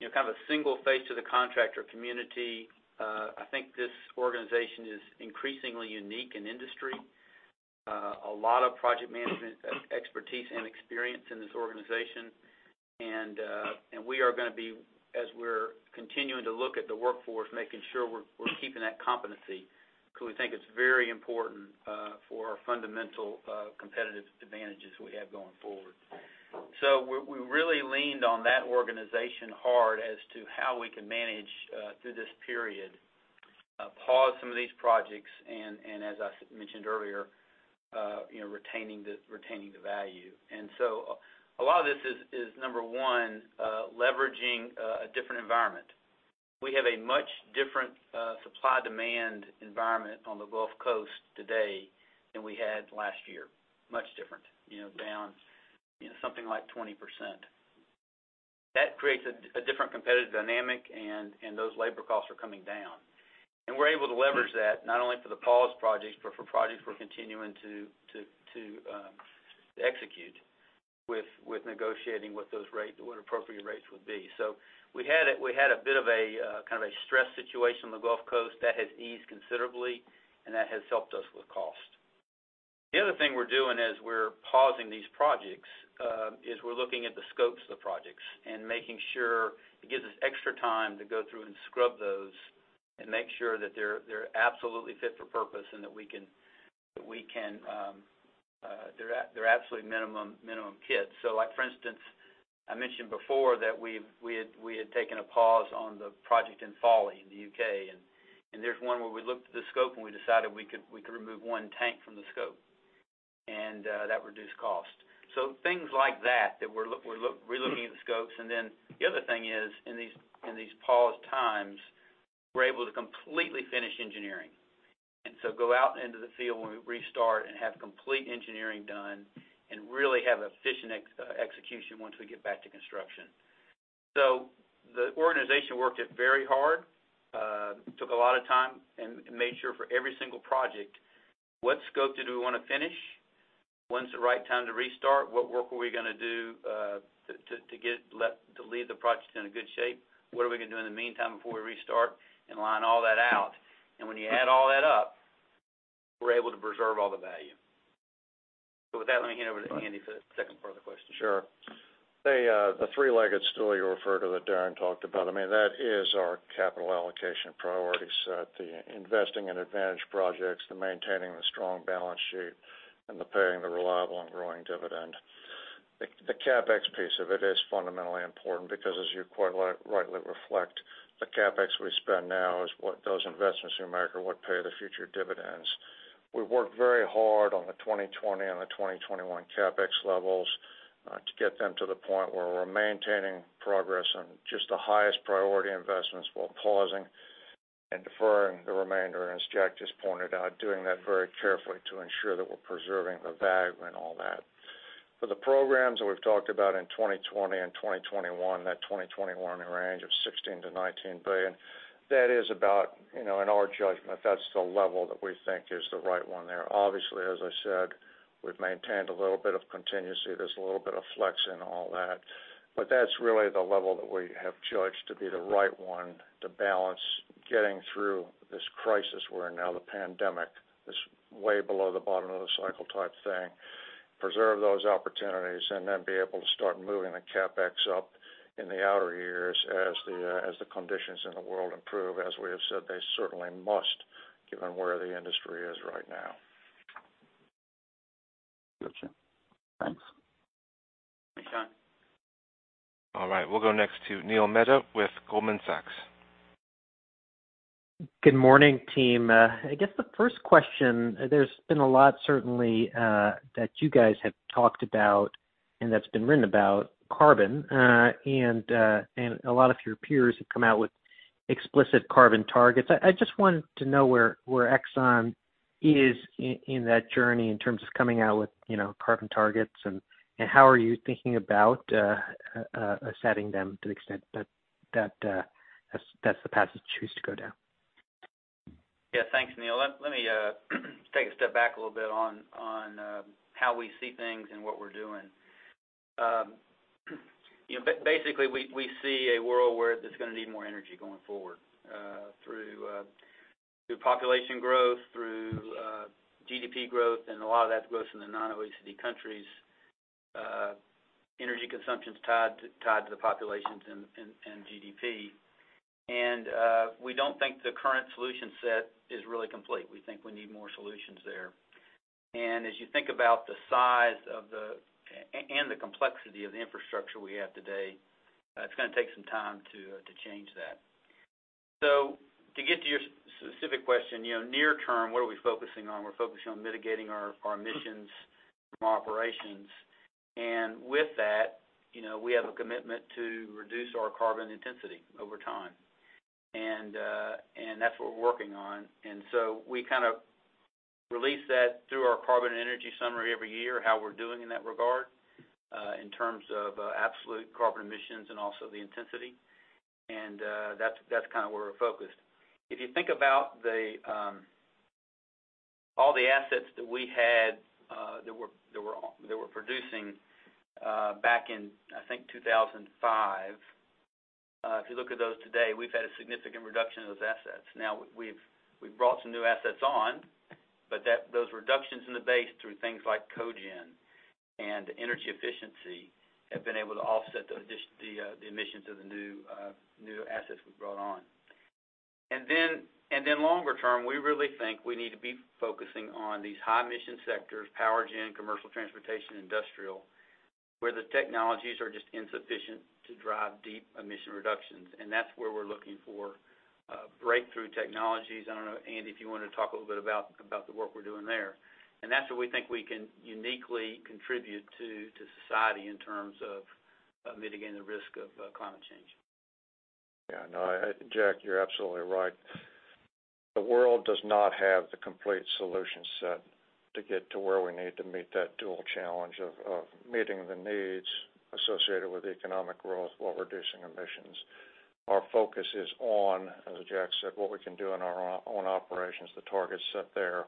kind of a single face to the contractor community. I think this organization is increasingly unique in industry. A lot of project management expertise and experience in this organization. We are going to be, as we're continuing to look at the workforce, making sure we're keeping that competency. Because we think it's very important for our fundamental competitive advantages we have going forward. We really leaned on that organization hard as to how we can manage through this period, pause some of these projects, and as I mentioned earlier, retaining the value. A lot of this is, number one, leveraging a different environment. We have a much different supply-demand environment on the Gulf Coast today than we had last year. Much different. Down something like 20%. That creates a different competitive dynamic, and those labor costs are coming down. We're able to leverage that not only for the paused projects, but for projects we're continuing to execute with negotiating what appropriate rates would be. We had a bit of a stress situation on the Gulf Coast. That has eased considerably, and that has helped us with cost. The other thing we're doing as we're pausing these projects is we're looking at the scopes of the projects and making sure it gives us extra time to go through and scrub those and make sure that they're absolutely fit for purpose and that they're absolutely minimum kit. Like, for instance, I mentioned before that we had taken a pause on the project in Fawley in the U.K., and there's one where we looked at the scope, and we decided we could remove one tank from the scope. That reduced cost. Things like that we're re-looking at the scopes. Then the other thing is in these paused times, we're able to completely finish engineering, go out into the field when we restart and have complete engineering done and really have efficient execution once we get back to construction. The organization worked it very hard, took a lot of time, and made sure for every single project, what scope did we want to finish? When's the right time to restart? What work were we going to do to leave the project in a good shape? What are we going to do in the meantime before we restart and line all that out? When you add all that up, we're able to preserve all the value. With that, let me hand over to Andy for the second part of the question. Sure. The three-legged stool you refer to that Darren talked about, I mean, that is our capital allocation priority set. The investing in advantage projects, the maintaining the strong balance sheet, and the paying the reliable and growing dividend. The CapEx piece of it is fundamentally important because, as you quite rightly reflect, the CapEx we spend now is what those investments in America would pay the future dividends. We worked very hard on the 2020 and the 2021 CapEx levels to get them to the point where we're maintaining progress on just the highest priority investments while pausing and deferring the remainder. As Jack just pointed out, doing that very carefully to ensure that we're preserving the value and all that. For the programs that we've talked about in 2020 and 2021, that 2021 range of $16 billion-$19 billion, that is about, in our judgment, that's the level that we think is the right one there. Obviously, as I said, we've maintained a little bit of contingency. There's a little bit of flex in all that. That's really the level that we have judged to be the right one to balance getting through this crisis we're in now, the pandemic, this way below the bottom of the cycle type thing. Preserve those opportunities and then be able to start moving the CapEx up in the outer years as the conditions in the world improve. As we have said, they certainly must, given where the industry is right now. Gotcha. Thanks. Thanks, Jon. All right, we'll go next to Neil Mehta with Goldman Sachs. Good morning, team. I guess the first question, there's been a lot certainly that you guys have talked about and that's been written about carbon. A lot of your peers have come out with explicit carbon targets. I just wanted to know where Exxon is in that journey in terms of coming out with carbon targets, and how are you thinking about setting them to the extent that that's the path that you choose to go down? Yeah, thanks, Neil. Let me take a step back a little bit on how we see things and what we're doing. We see a world where it's going to need more energy going forward through population growth, through GDP growth, and a lot of that growth is in the non-OECD countries. Energy consumption's tied to the populations and GDP. We don't think the current solution set is really complete. We think we need more solutions there. As you think about the size and the complexity of the infrastructure we have today, it's going to take some time to change that. To get to your specific question, near term, what are we focusing on? We're focusing on mitigating our emissions from our operations. With that, we have a commitment to reduce our carbon intensity over time. That's what we're working on. We kind of release that through our carbon energy summary every year, how we're doing in that regard in terms of absolute carbon emissions and also the intensity. That's kind of where we're focused. If you think about all the assets that we had that were producing back in, I think, 2005. If you look at those today, we've had a significant reduction in those assets. We've brought some new assets on. Those reductions in the base through things like cogen and energy efficiency have been able to offset the emissions of the new assets we've brought on. Longer term, we really think we need to be focusing on these high emission sectors, power gen, commercial transportation, industrial, where the technologies are just insufficient to drive deep emission reductions. That's where we're looking for breakthrough technologies. I don't know, Andy, if you want to talk a little bit about the work we're doing there. That's where we think we can uniquely contribute to society in terms of mitigating the risk of climate change. Jack, you're absolutely right. The world does not have the complete solution set to get to where we need to meet that dual challenge of meeting the needs associated with economic growth while reducing emissions. Our focus is on, as Jack said, what we can do in our own operations, the targets set there,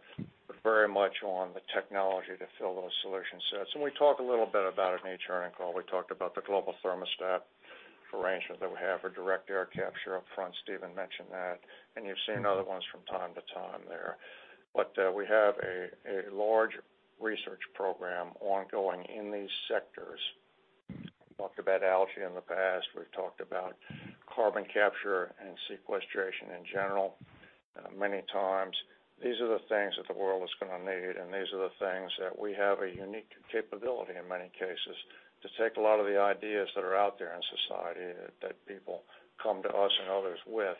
but very much on the technology to fill those solution sets. We talked a little bit about it in the earnings call. We talked about the Global Thermostat arrangement that we have for direct air capture upfront. Stephen mentioned that, you've seen other ones from time to time there. We have a large research program ongoing in these sectors. We talked about algae in the past. We've talked about carbon capture and sequestration in general many times. These are the things that the world is going to need, and these are the things that we have a unique capability in many cases to take a lot of the ideas that are out there in society that people come to us and others with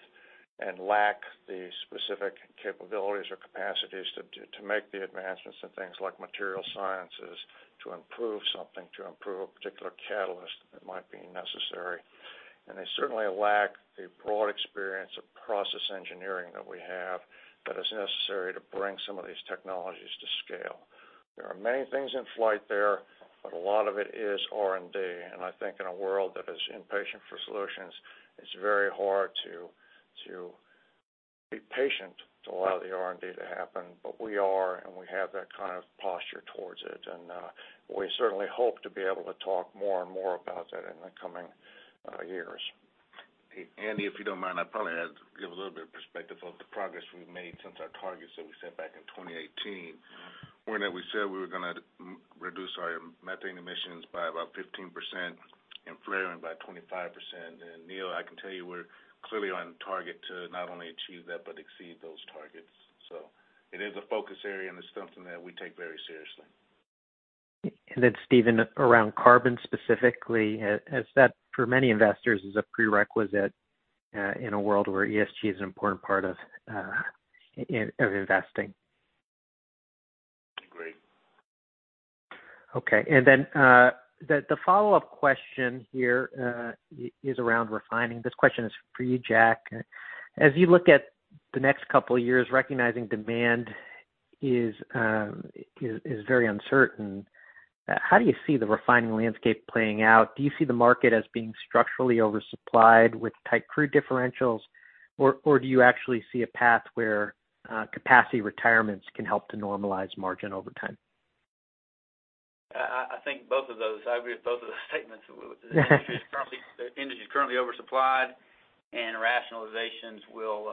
and lack the specific capabilities or capacities to make the advancements in things like material sciences to improve something, to improve a particular catalyst that might be necessary. They certainly lack the broad experience of process engineering that we have that is necessary to bring some of these technologies to scale. There are many things in flight there, but a lot of it is R&D, and I think in a world that is impatient for solutions, it's very hard to be patient to allow the R&D to happen. We are, and we have that kind of posture towards it. We certainly hope to be able to talk more and more about that in the coming years. Andy, if you don't mind, I'd probably give a little bit of perspective of the progress we've made since our targets that we set back in 2018. When we said we were going to reduce our methane emissions by about 15% and flaring by 25%. Neil, I can tell you we're clearly on target to not only achieve that but exceed those targets. It is a focus area, and it's something that we take very seriously. Stephen, around carbon specifically, as that for many investors is a prerequisite in a world where ESG is an important part of investing. Agree. Okay. The follow-up question here is around refining. This question is for you, Jack. As you look at the next couple of years, recognizing demand is very uncertain, how do you see the refining landscape playing out? Do you see the market as being structurally oversupplied with tight crude differentials? Do you actually see a path where capacity retirements can help to normalize margin over time? I think both of those. I agree with both of those statements. The industry is currently oversupplied and rationalizations will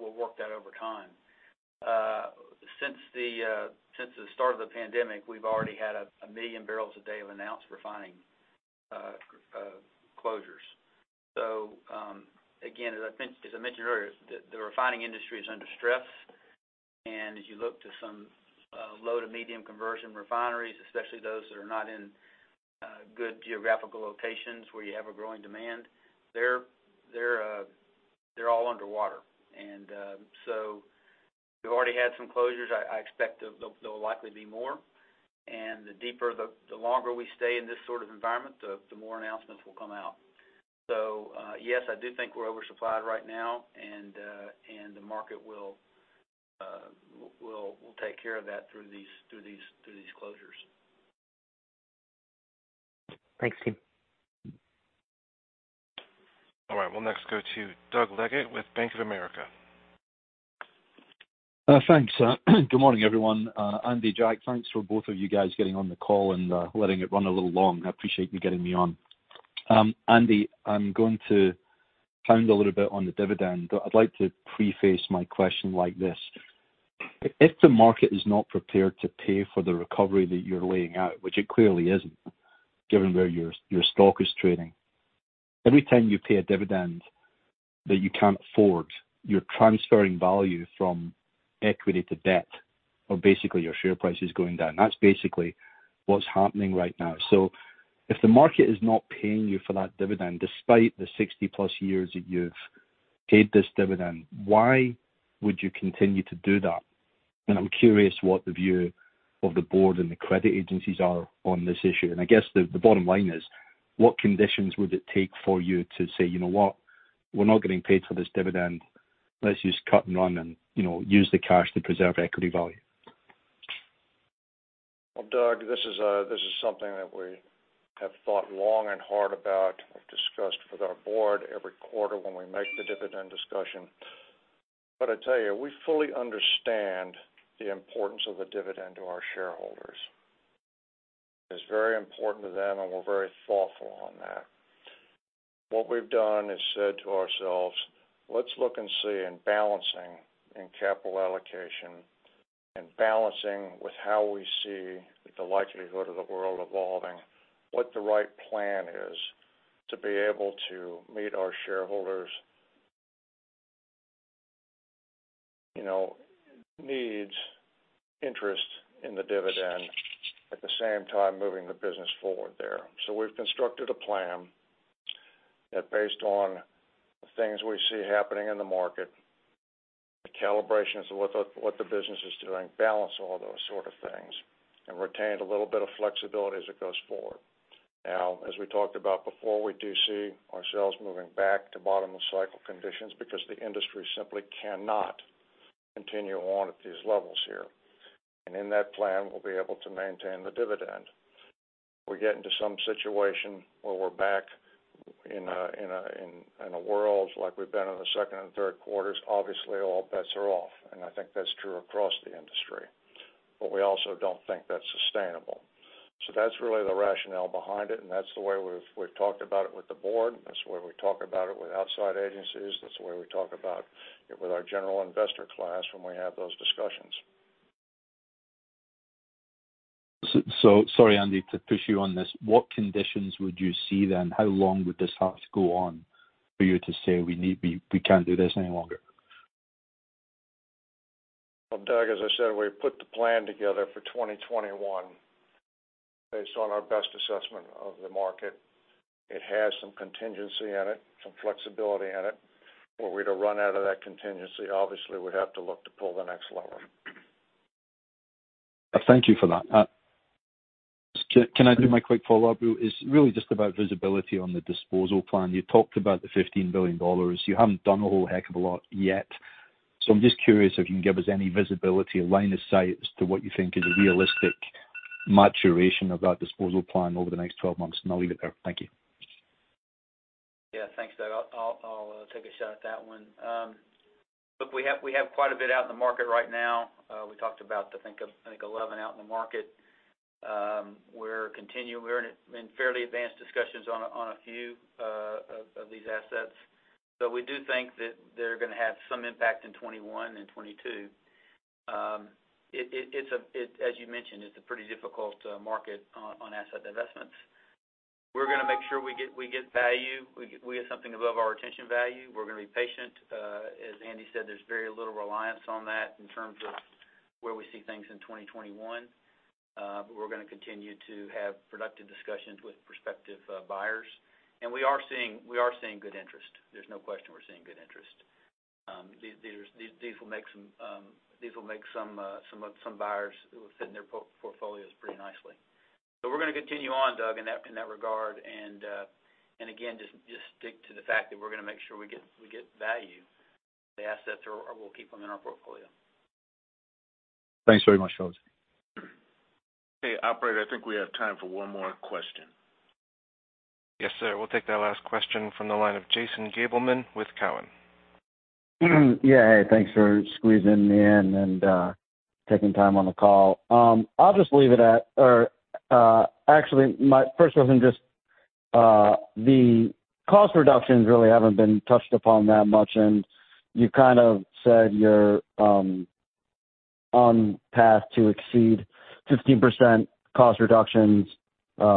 work that over time. Since the start of the pandemic, we've already had 1 million barrels a day of announced refining closures. Again, as I mentioned earlier, the refining industry is under stress, and as you look to some low to medium conversion refineries, especially those that are not in good geographical locations where you have a growing demand, they're all underwater. We've already had some closures. I expect there will likely be more, and the longer we stay in this sort of environment, the more announcements will come out. Yes, I do think we're oversupplied right now, and the market will take care of that through these closures. Thanks, team. All right. We'll next go to Doug Leggate with Bank of America. Thanks. Good morning, everyone. Andy, Jack, thanks for both of you guys getting on the call and letting it run a little long. I appreciate you getting me on. Andy, I'm going to pound a little bit on the dividend. I'd like to preface my question like this. If the market is not prepared to pay for the recovery that you're laying out, which it clearly isn't, given where your stock is trading. Every time you pay a dividend that you can't afford, you're transferring value from equity to debt, or basically your share price is going down. That's basically what's happening right now. If the market is not paying you for that dividend, despite the 60+ years that you've paid this dividend, why would you continue to do that? I'm curious what the view of the Board and the credit agencies are on this issue. I guess the bottom line is, what conditions would it take for you to say, you know what. We're not getting paid for this dividend. Let's just cut and run and use the cash to preserve equity value. Well, Doug, this is something that we have thought long and hard about. We've discussed with our Board every quarter when we make the dividend discussion. I tell you, we fully understand the importance of the dividend to our shareholders. It's very important to them, and we're very thoughtful on that. What we've done is said to ourselves, let's look and see in balancing in capital allocation and balancing with how we see the likelihood of the world evolving, what the right plan is to be able to meet our shareholders' needs, interest in the dividend, at the same time moving the business forward there. We've constructed a plan that based on the things we see happening in the market, the calibrations of what the business is doing, balance all those sort of things, and retained a little bit of flexibility as it goes forward. As we talked about before, we do see ourselves moving back to bottom of cycle conditions because the industry simply cannot continue on at these levels here. In that plan, we'll be able to maintain the dividend. We get into some situation where we're back in a world like we've been in the second and third quarters, obviously all bets are off, and I think that's true across the industry. We also don't think that's sustainable. That's really the rationale behind it, and that's the way we've talked about it with the Board, that's the way we talk about it with outside agencies, that's the way we talk about it with our general investor class when we have those discussions Sorry, Andy, to push you on this. What conditions would you see then? How long would this have to go on for you to say, we can't do this any longer? Well, Doug, as I said, we put the plan together for 2021 based on our best assessment of the market. It has some contingency in it, some flexibility in it. Were we to run out of that contingency, obviously, we'd have to look to pull the next lever. Thank you for that. Can I do my quick follow-up? It's really just about visibility on the disposal plan. You talked about the $15 billion. You haven't done a whole heck of a lot yet. I'm just curious if you can give us any visibility, a line of sight as to what you think is a realistic maturation of that disposal plan over the next 12 months, and I'll leave it there. Thank you. Thanks, Doug. I'll take a shot at that one. We have quite a bit out in the market right now. We talked about, I think, 11 out in the market. We're in fairly advanced discussions on a few of these assets. We do think that they're going to have some impact in 2021 and 2022. As you mentioned, it's a pretty difficult market on asset divestments. We're gonna make sure we get value. We get something above our retention value. We're gonna be patient. As Andy said, there's very little reliance on that in terms of where we see things in 2021. We're gonna continue to have productive discussions with prospective buyers. We are seeing good interest. There's no question we're seeing good interest. These will make some buyers fit in their portfolios pretty nicely. We're going to continue on, Doug, in that regard, and again, just stick to the fact that we're going to make sure we get value in the assets, or we'll keep them in our portfolio. Thanks very much, fellas. Okay, operator, I think we have time for one more question. Yes, sir. We'll take that last question from the line of Jason Gabelman with Cowen. Yeah. Hey, thanks for squeezing me in and taking time on the call. My first one's just the cost reductions really haven't been touched upon that much. You kind of said you're on path to exceed 15% cost reductions,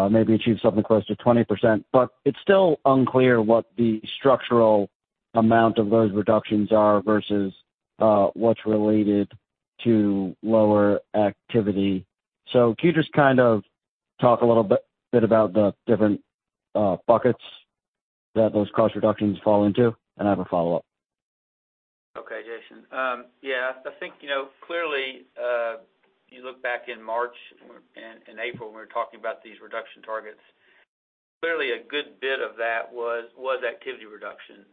maybe achieve something closer to 20%, but it's still unclear what the structural amount of those reductions are versus what's related to lower activity. Can you just kind of talk a little bit about the different buckets that those cost reductions fall into? I have a follow-up. Okay, Jason. I think, clearly, you look back in March and April, we were talking about these reduction targets. Clearly, a good bit of that was activity reduction,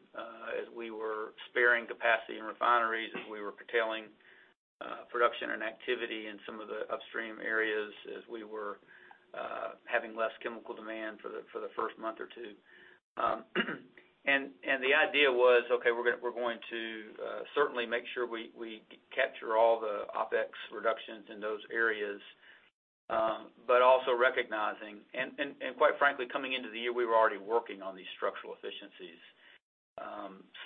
as we were sparing capacity in refineries, as we were curtailing production and activity in some of the upstream areas, as we were having less chemical demand for the first month or two. The idea was, okay, we're going to certainly make sure we capture all the OpEx reductions in those areas, but also recognizing, and quite frankly, coming into the year, we were already working on these structural efficiencies.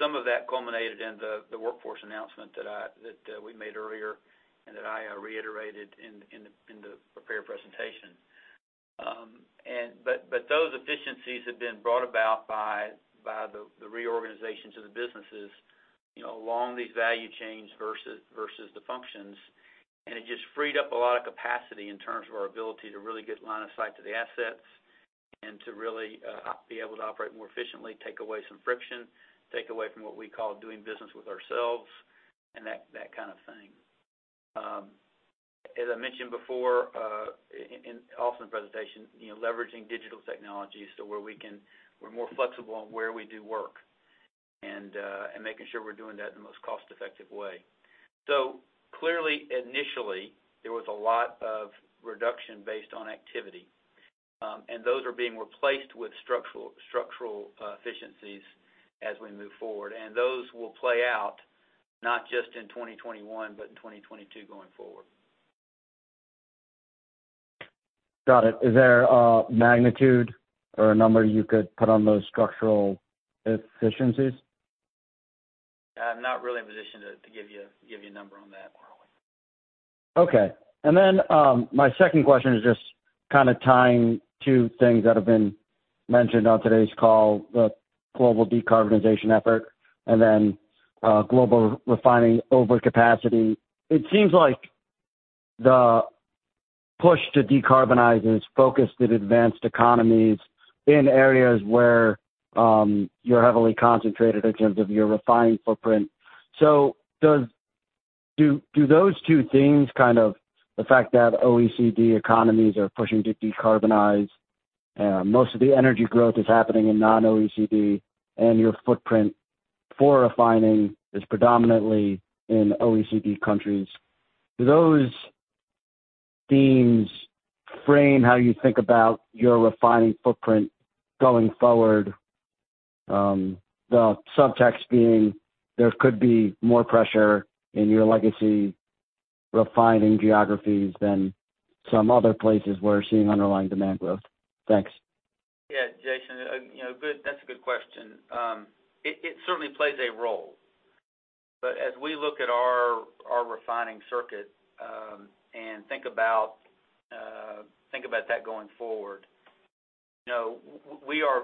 Some of that culminated in the workforce announcement that we made earlier and that I reiterated in the prepared presentation. Those efficiencies have been brought about by the reorganizations of the businesses along these value chains versus the functions, and it just freed up a lot of capacity in terms of our ability to really get line of sight to the assets and to really be able to operate more efficiently, take away some friction, take away from what we call doing business with ourselves and that kind of thing. As I mentioned before, and also in the presentation, leveraging digital technologies so we're more flexible on where we do work and making sure we're doing that in the most cost-effective way. Clearly, initially, there was a lot of reduction based on activity. Those are being replaced with structural efficiencies as we move forward. Those will play out not just in 2021, but in 2022 going forward. Got it. Is there a magnitude or a number you could put on those structural efficiencies? I'm not really in a position to give you a number on that. Okay. My second question is just tying two things that have been mentioned on today's call, the global decarbonization effort and then global refining overcapacity. It seems like the push to decarbonize is focused in advanced economies in areas where you're heavily concentrated in terms of your refining footprint. Do those two things, the fact that OECD economies are pushing to decarbonize, most of the energy growth is happening in non-OECD, and your footprint for refining is predominantly in OECD countries, frame how you think about your refining footprint going forward? The subtext being there could be more pressure in your legacy refining geographies than some other places we're seeing underlying demand growth. Thanks. Yeah, Jason, that's a good question. As we look at our refining circuit and think about that going forward, we are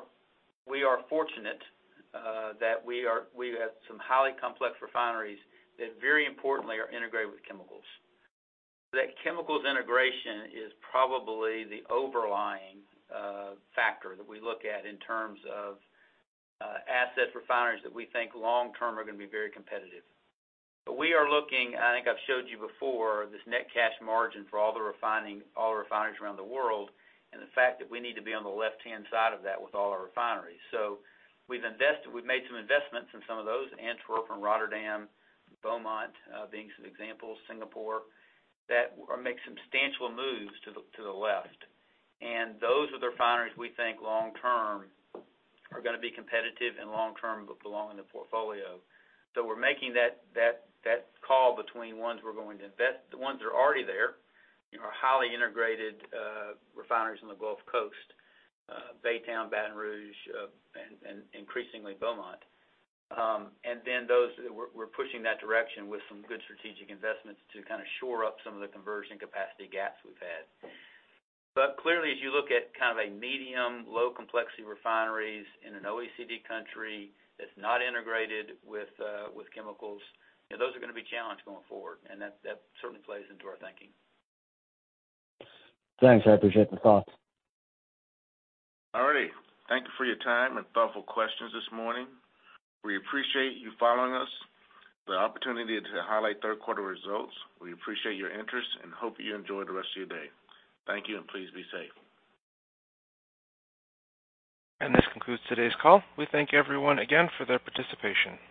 fortunate that we have some highly complex refineries that very importantly are integrated with chemicals. That chemicals integration is probably the overlying factor that we look at in terms of asset refineries that we think long term are going to be very competitive. We are looking, I think I've showed you before, this net cash margin for all the refineries around the world, and the fact that we need to be on the left-hand side of that with all our refineries. We've made some investments in some of those, Antwerp and Rotterdam, Beaumont being some examples, Singapore, that make substantial moves to the left. Those are the refineries we think long term are going to be competitive and long term belong in the portfolio. We're making that call between ones we're going to invest. The ones that are already there are highly integrated refineries on the Gulf Coast, Baytown, Baton Rouge, and increasingly Beaumont. Then those we're pushing that direction with some good strategic investments to shore up some of the conversion capacity gaps we've had. Clearly, as you look at a medium, low complexity refineries in an OECD country that's not integrated with chemicals, those are going to be challenged going forward. That certainly plays into our thinking. Thanks. I appreciate the thought. All righty. Thank you for your time and thoughtful questions this morning. We appreciate you following us, the opportunity to highlight third quarter results. We appreciate your interest and hope you enjoy the rest of your day. Thank you, and please be safe. This concludes today's call. We thank everyone again for their participation.